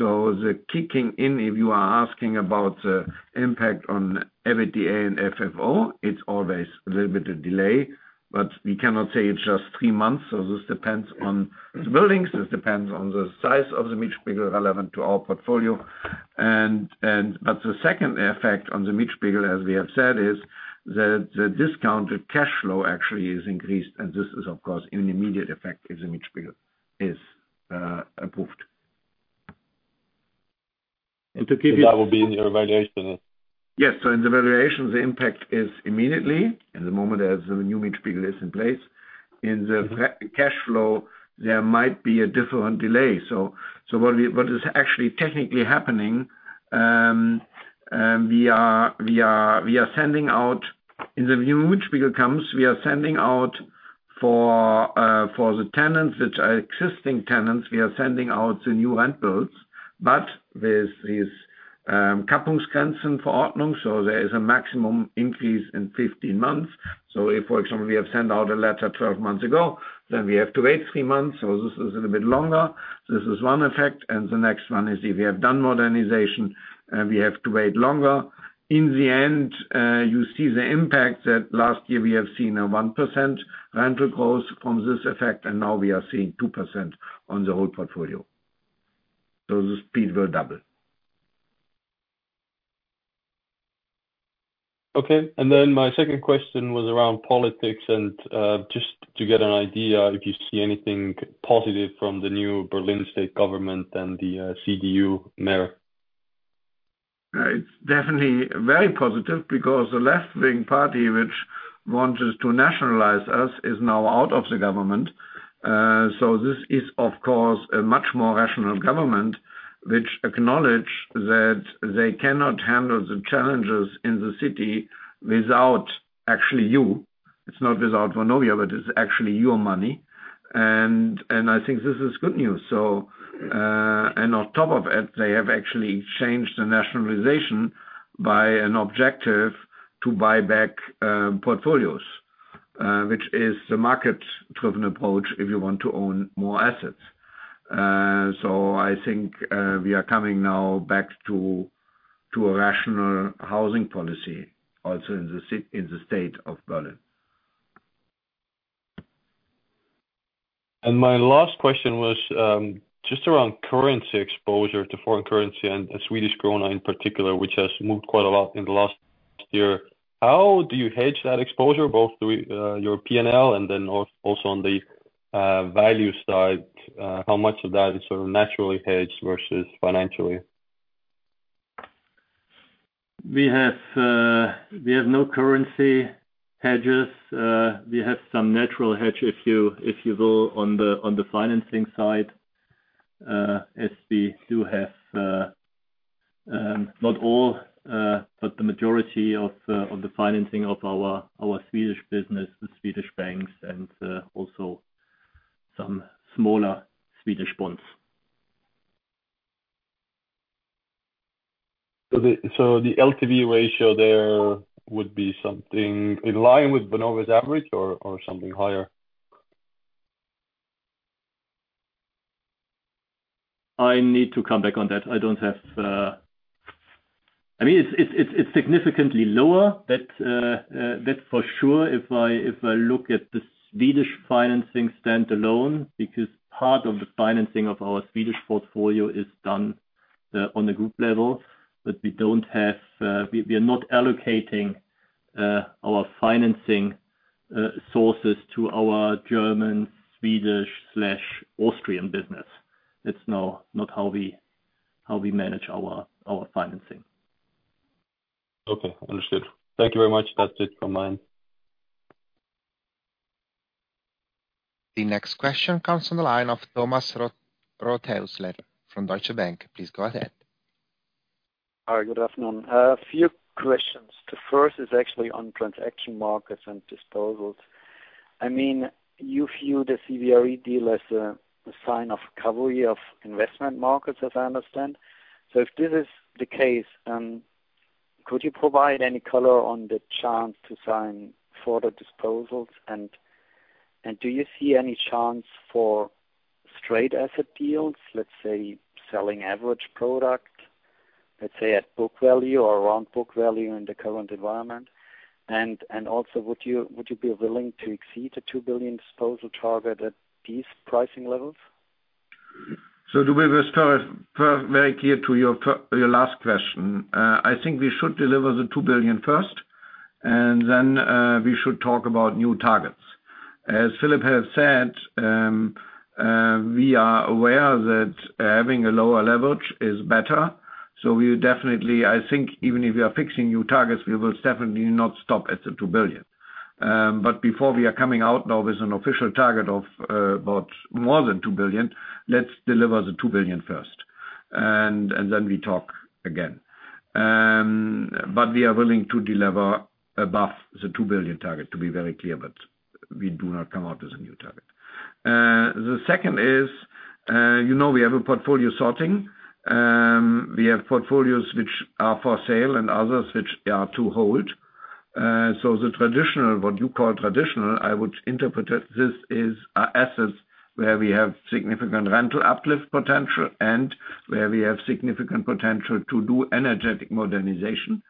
Mietspiegel. The kicking in, if you are asking about the impact on EBITDA and FFO, it's always a little bit of delay, but we cannot say it's just three months. This depends on the buildings, this depends on the size of the Mietspiegel relevant to our portfolio. The second effect on the Mietspiegel as we have said is that the discounted cash flow actually is increased. This is of course an immediate effect if the Mietspiegel is approved. That will be in your valuation then? In the valuation, the impact is immediately. In the moment as the new Mietspiegel is in place. In the cash flow, there might be a different delay. What is actually technically happening, we are sending out, in the new Mietspiegel comes, we are sending out for the tenants which are existing tenants, we are sending out the new rent bills. There's this, Verordnung, there is a maximum increase in 15 months. If, for example, we have sent out a letter 12 months ago, then we have to wait three months, this is a little bit longer. This is one effect. The next one is if we have done modernization, we have to wait longer. You see the impact that last year we have seen a 1% rental growth from this effect, and now we are seeing 2% on the whole portfolio. The speed will double. Okay. My second question was around politics and just to get an idea if you see anything positive from the new Berlin state government and the CDU mayor. It's definitely very positive because the left-wing party which wanted to nationalize us is now out of the government. This is, of course, a much more rational government which acknowledge that they cannot handle the challenges in the city without actually you. It's not without Vonovia, but it's actually your money. I think this is good news. And on top of it, they have actually changed the nationalization by an objective to buy back portfolios, which is the market-driven approach if you want to own more assets. I think we are coming now back to a rational housing policy also in the state of Berlin. My last question was just around currency exposure to foreign currency and the Swedish krona in particular, which has moved quite a lot in the last year. How do you hedge that exposure, both through your P&L and then also on the value side? How much of that is sort of naturally hedged versus financially? We have no currency hedges. We have some natural hedge if you will, on the financing side, as we do have, not all, but the majority of the financing of our Swedish business, the Swedish banks and also some smaller Swedish bonds. The LTV ratio there would be something in line with Vonovia's average or something higher? I need to come back on that. I don't have, I mean, it's significantly lower. That for sure, if I look at the Swedish financing stand alone, because part of the financing of our Swedish portfolio is done on the group level. We don't have, we are not allocating our financing sources to our German, Swedish/Austrian business. It's not how we manage our financing. Okay, understood. Thank you very much. That's it from my end. The next question comes from the line of Thomas Rothäusler from Deutsche Bank. Please go ahead. Hi, good afternoon. A few questions. The first is actually on transaction markets and disposals. I mean, you view the CBRE deal as a sign of recovery of investment markets, as I understand. If this is the case, could you provide any color on the chance to sign further disposals? Do you see any chance for straight asset deals, let's say selling average product, let's say at book value or around book value in the current environment? Also would you be willing to exceed the 2 billion disposal target at these pricing levels? To be very clear to your last question, I think we should deliver the 2 billion first, and then we should talk about new targets. As Philip has said, we are aware that having a lower leverage is better. We definitely, I think even if we are fixing new targets, we will definitely not stop at the 2 billion. Before we are coming out now with an official target of about more than 2 billion, let's deliver the 2 billion first, and then we talk again. We are willing to deliver above the 2 billion target, to be very clear, but we do not come out with a new target. The second is, you know, we have a portfolio sorting. We have portfolios which are for sale and others which are to hold. The traditional, what you call traditional, I would interpret it, are assets where we have significant rental uplift potential and where we have significant potential to do energetic modernization.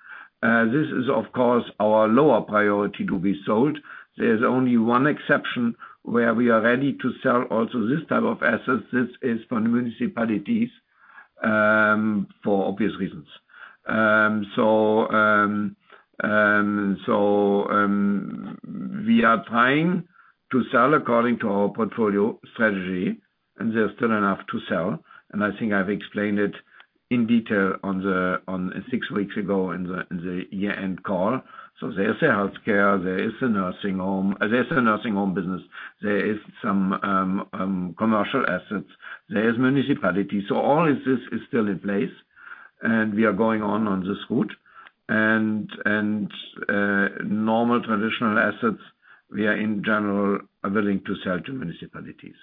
This is, of course, our lower priority to be sold. There's only one exception where we are ready to sell also this type of assets. This is for municipalities for obvious reasons. We are trying to sell according to our portfolio strategy, and there's still enough to sell. I think I've explained it in detail on the, on six weeks ago in the, in the year-end call. There is a health care, there is a nursing home. There's a nursing home business. There is some commercial assets. There is municipality. All of this is still in place, and we are going on on this route. Normal traditional assets, we are in general willing to sell to municipalities.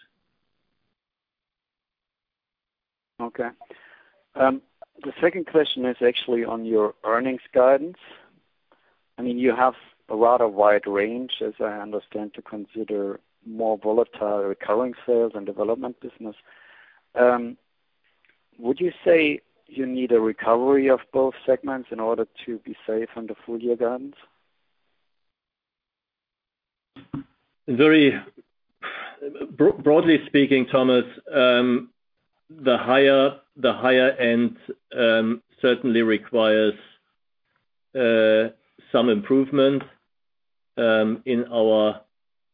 The second question is actually on your earnings guidance. I mean, you have a rather wide range, as I understand, to consider more volatile recurring sales and development business. Would you say you need a recovery of both segments in order to be safe on the full year guidance? Very broadly speaking, Thomas, the higher, the higher end, certainly requires some improvement in our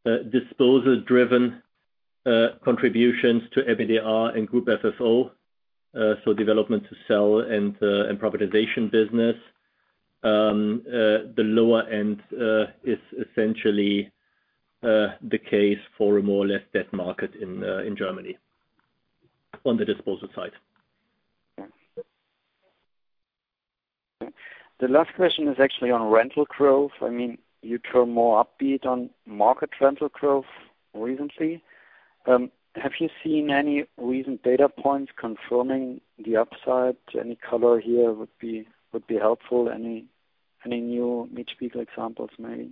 disposal-driven contributions to EBITDA and Group FFO, so development to sell and privatization business. The lower end is essentially the case for a more or less debt market in Germany on the disposal side. The last question is actually on rental growth. I mean, you turn more upbeat on market rental growth recently. Have you seen any recent data points confirming the upside? Any color here would be helpful. Any new Mietspiegel examples maybe?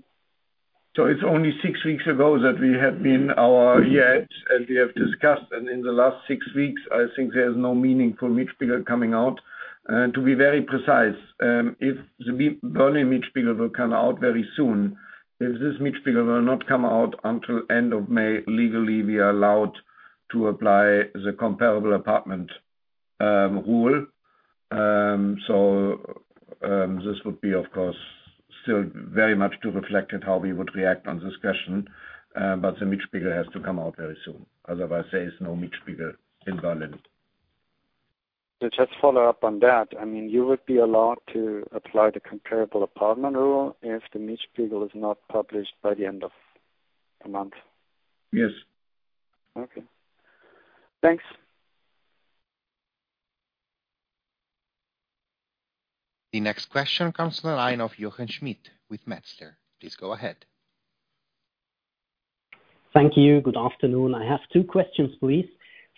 It's only six weeks ago that we have been our year end, as we have discussed. In the last six weeks, I think there's no meaningful Mietspiegel coming out. To be very precise, if the Berlin Mietspiegel will come out very soon. If this Mietspiegel will not come out until end of May, legally, we are allowed to apply the comparable apartment rule. This would be, of course, still very much to reflect on how we would react on discussion. The Mietspiegel has to come out very soon. Otherwise, there is no Mietspiegel in Berlin. To just follow up on that, I mean, you would be allowed to apply the comparable apartment rule if the Mietspiegel is not published by the end of the month. Yes. Okay. Thanks. The next question comes from the line of Jochen Schmitt with Metzler. Please go ahead. Thank you. Good afternoon. I have two questions, please.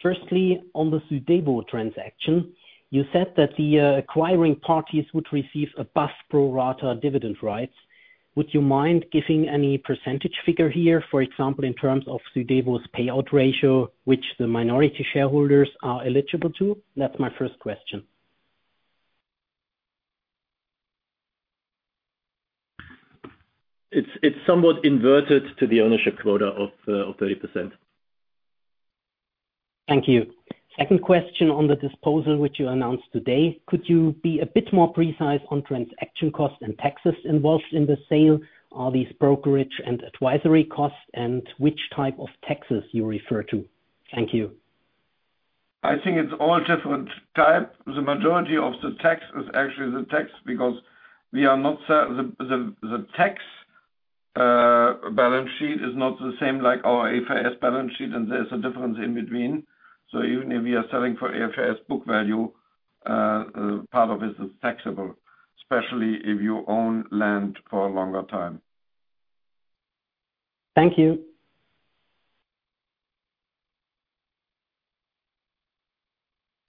Firstly, on the Südewo transaction, you said that the acquiring parties would receive a past pro rata dividend rights. Would you mind giving any percentage figure here, for example, in terms of Südewo's payout ratio, which the minority shareholders are eligible to? That's my first question. It's somewhat inverted to the ownership quota of 30%. Thank you. Second question on the disposal, which you announced today. Could you be a bit more precise on transaction costs and taxes involved in the sale? Are these brokerage and advisory costs, and which type of taxes you refer to? Thank you. I think it's all different type. The majority of the tax is actually the tax because we are not The tax balance sheet is not the same like our AFS balance sheet, and there's a difference in between. Even if we are selling for AFS book value, part of it is taxable, especially if you own land for a longer time. Thank you.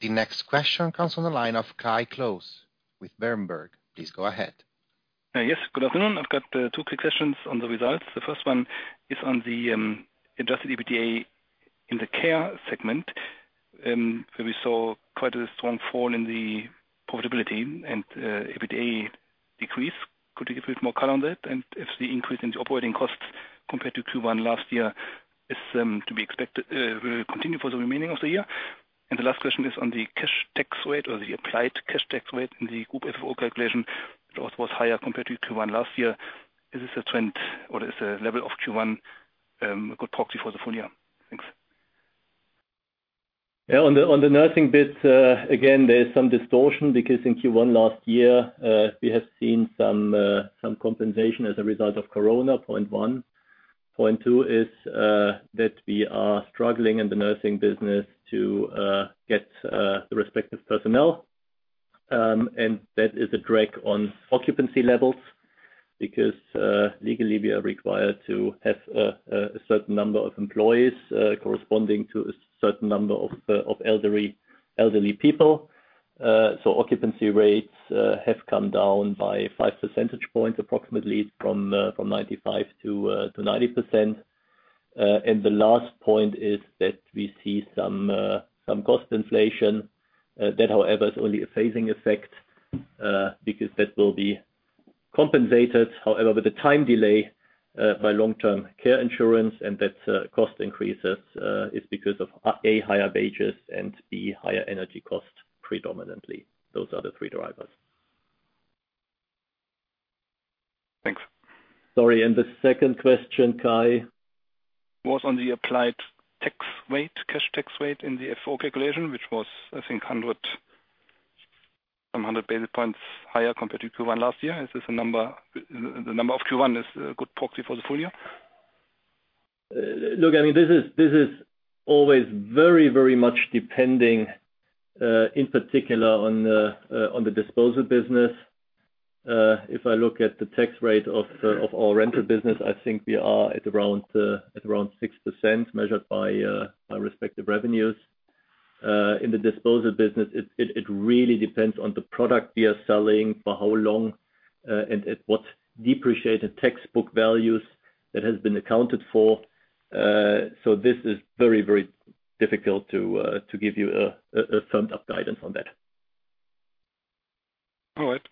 The next question comes from the line of Kai Klose with Berenberg. Please go ahead. Yes. Good afternoon. I've got two quick questions on the results. The first one is on the adjusted EBITDA in the care segment, where we saw quite a strong fall in the profitability and EBITDA decrease. Could you give a bit more color on that? If the increase in the operating costs compared to Q1 last year is to be expected, will continue for the remaining of the year. The last question is on the cash tax rate or the applied cash tax rate in the Group FFO calculation, it also was higher compared to Q1 last year. Is this a trend or is the level of Q1 a good proxy for the full year? Thanks. Yeah. On the, on the nursing bit, again, there's some distortion because in Q1 last year, we have seen some compensation as a result of Corona, point one. Point two is, that we are struggling in the nursing business to get the respective personnel. That is a drag on occupancy levels because, legally we are required to have a certain number of employees, corresponding to a certain number of elderly people. Occupancy rates have come down by 5 percentage points approximately from 95% to 90%. The last point is that we see some cost inflation that however is only a phasing effect because that will be compensated, however, with the time delay by long-term care insurance and that cost increases is because of A, higher wages and B, higher energy costs predominantly. Those are the three drivers. Thanks. Sorry, and the second question, Kai? Was on the applied tax rate, cash tax rate in the FFO calculation, which was I think 100, some 100 basis points higher compared to Q1 last year. The number of Q1 is a good proxy for the full year? Look, I mean, this is always very, very much depending, in particular on the disposal business. If I look at the tax rate of our rental business, I think we are at around, at around 6% measured by respective revenues. In the disposal business, it really depends on the product we are selling, for how long, and at what depreciated textbook values that has been accounted for. This is very, very difficult to give you a summed up guidance on that. All right.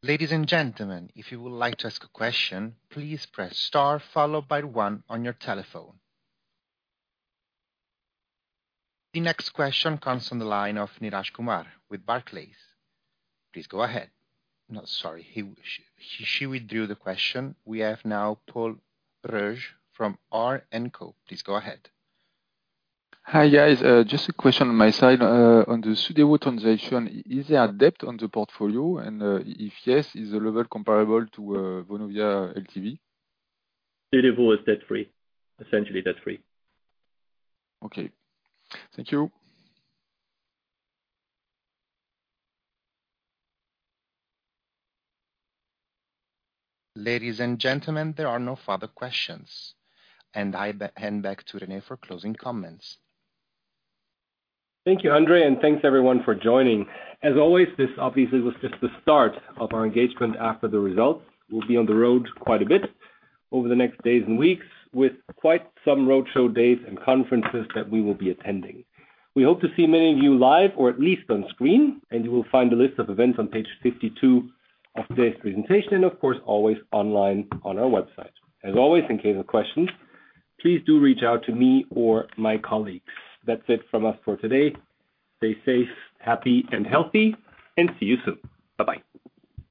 Thanks. Ladies and gentlemen, if you would like to ask a question, please press star followed by one on your telephone. The next question comes from the line of Neeraj Kumar with Barclays. Please go ahead. No, sorry. She withdrew the question. We have now Paul Reuge from R-co. Please go ahead. Hi, guys. Just a question on my side. On the Südewo transaction, is there a debt on the portfolio? If yes, is the level comparable to Vonovia LTV? Südewo is debt-free. Essentially debt-free. Okay. Thank you. Ladies and gentlemen, there are no further questions and I hand back to Rene for closing comments. Thank you, André, and thanks everyone for joining. As always, this obviously was just the start of our engagement after the results. We'll be on the road quite a bit over the next days and weeks with quite some roadshow dates and conferences that we will be attending. We hope to see many of you live or at least on screen, and you will find a list of events on page 52 of today's presentation and of course, always online on our website. As always, in case of questions, please do reach out to me or my colleagues. That's it from us for today. Stay safe, happy and healthy, and see you soon. Bye-bye.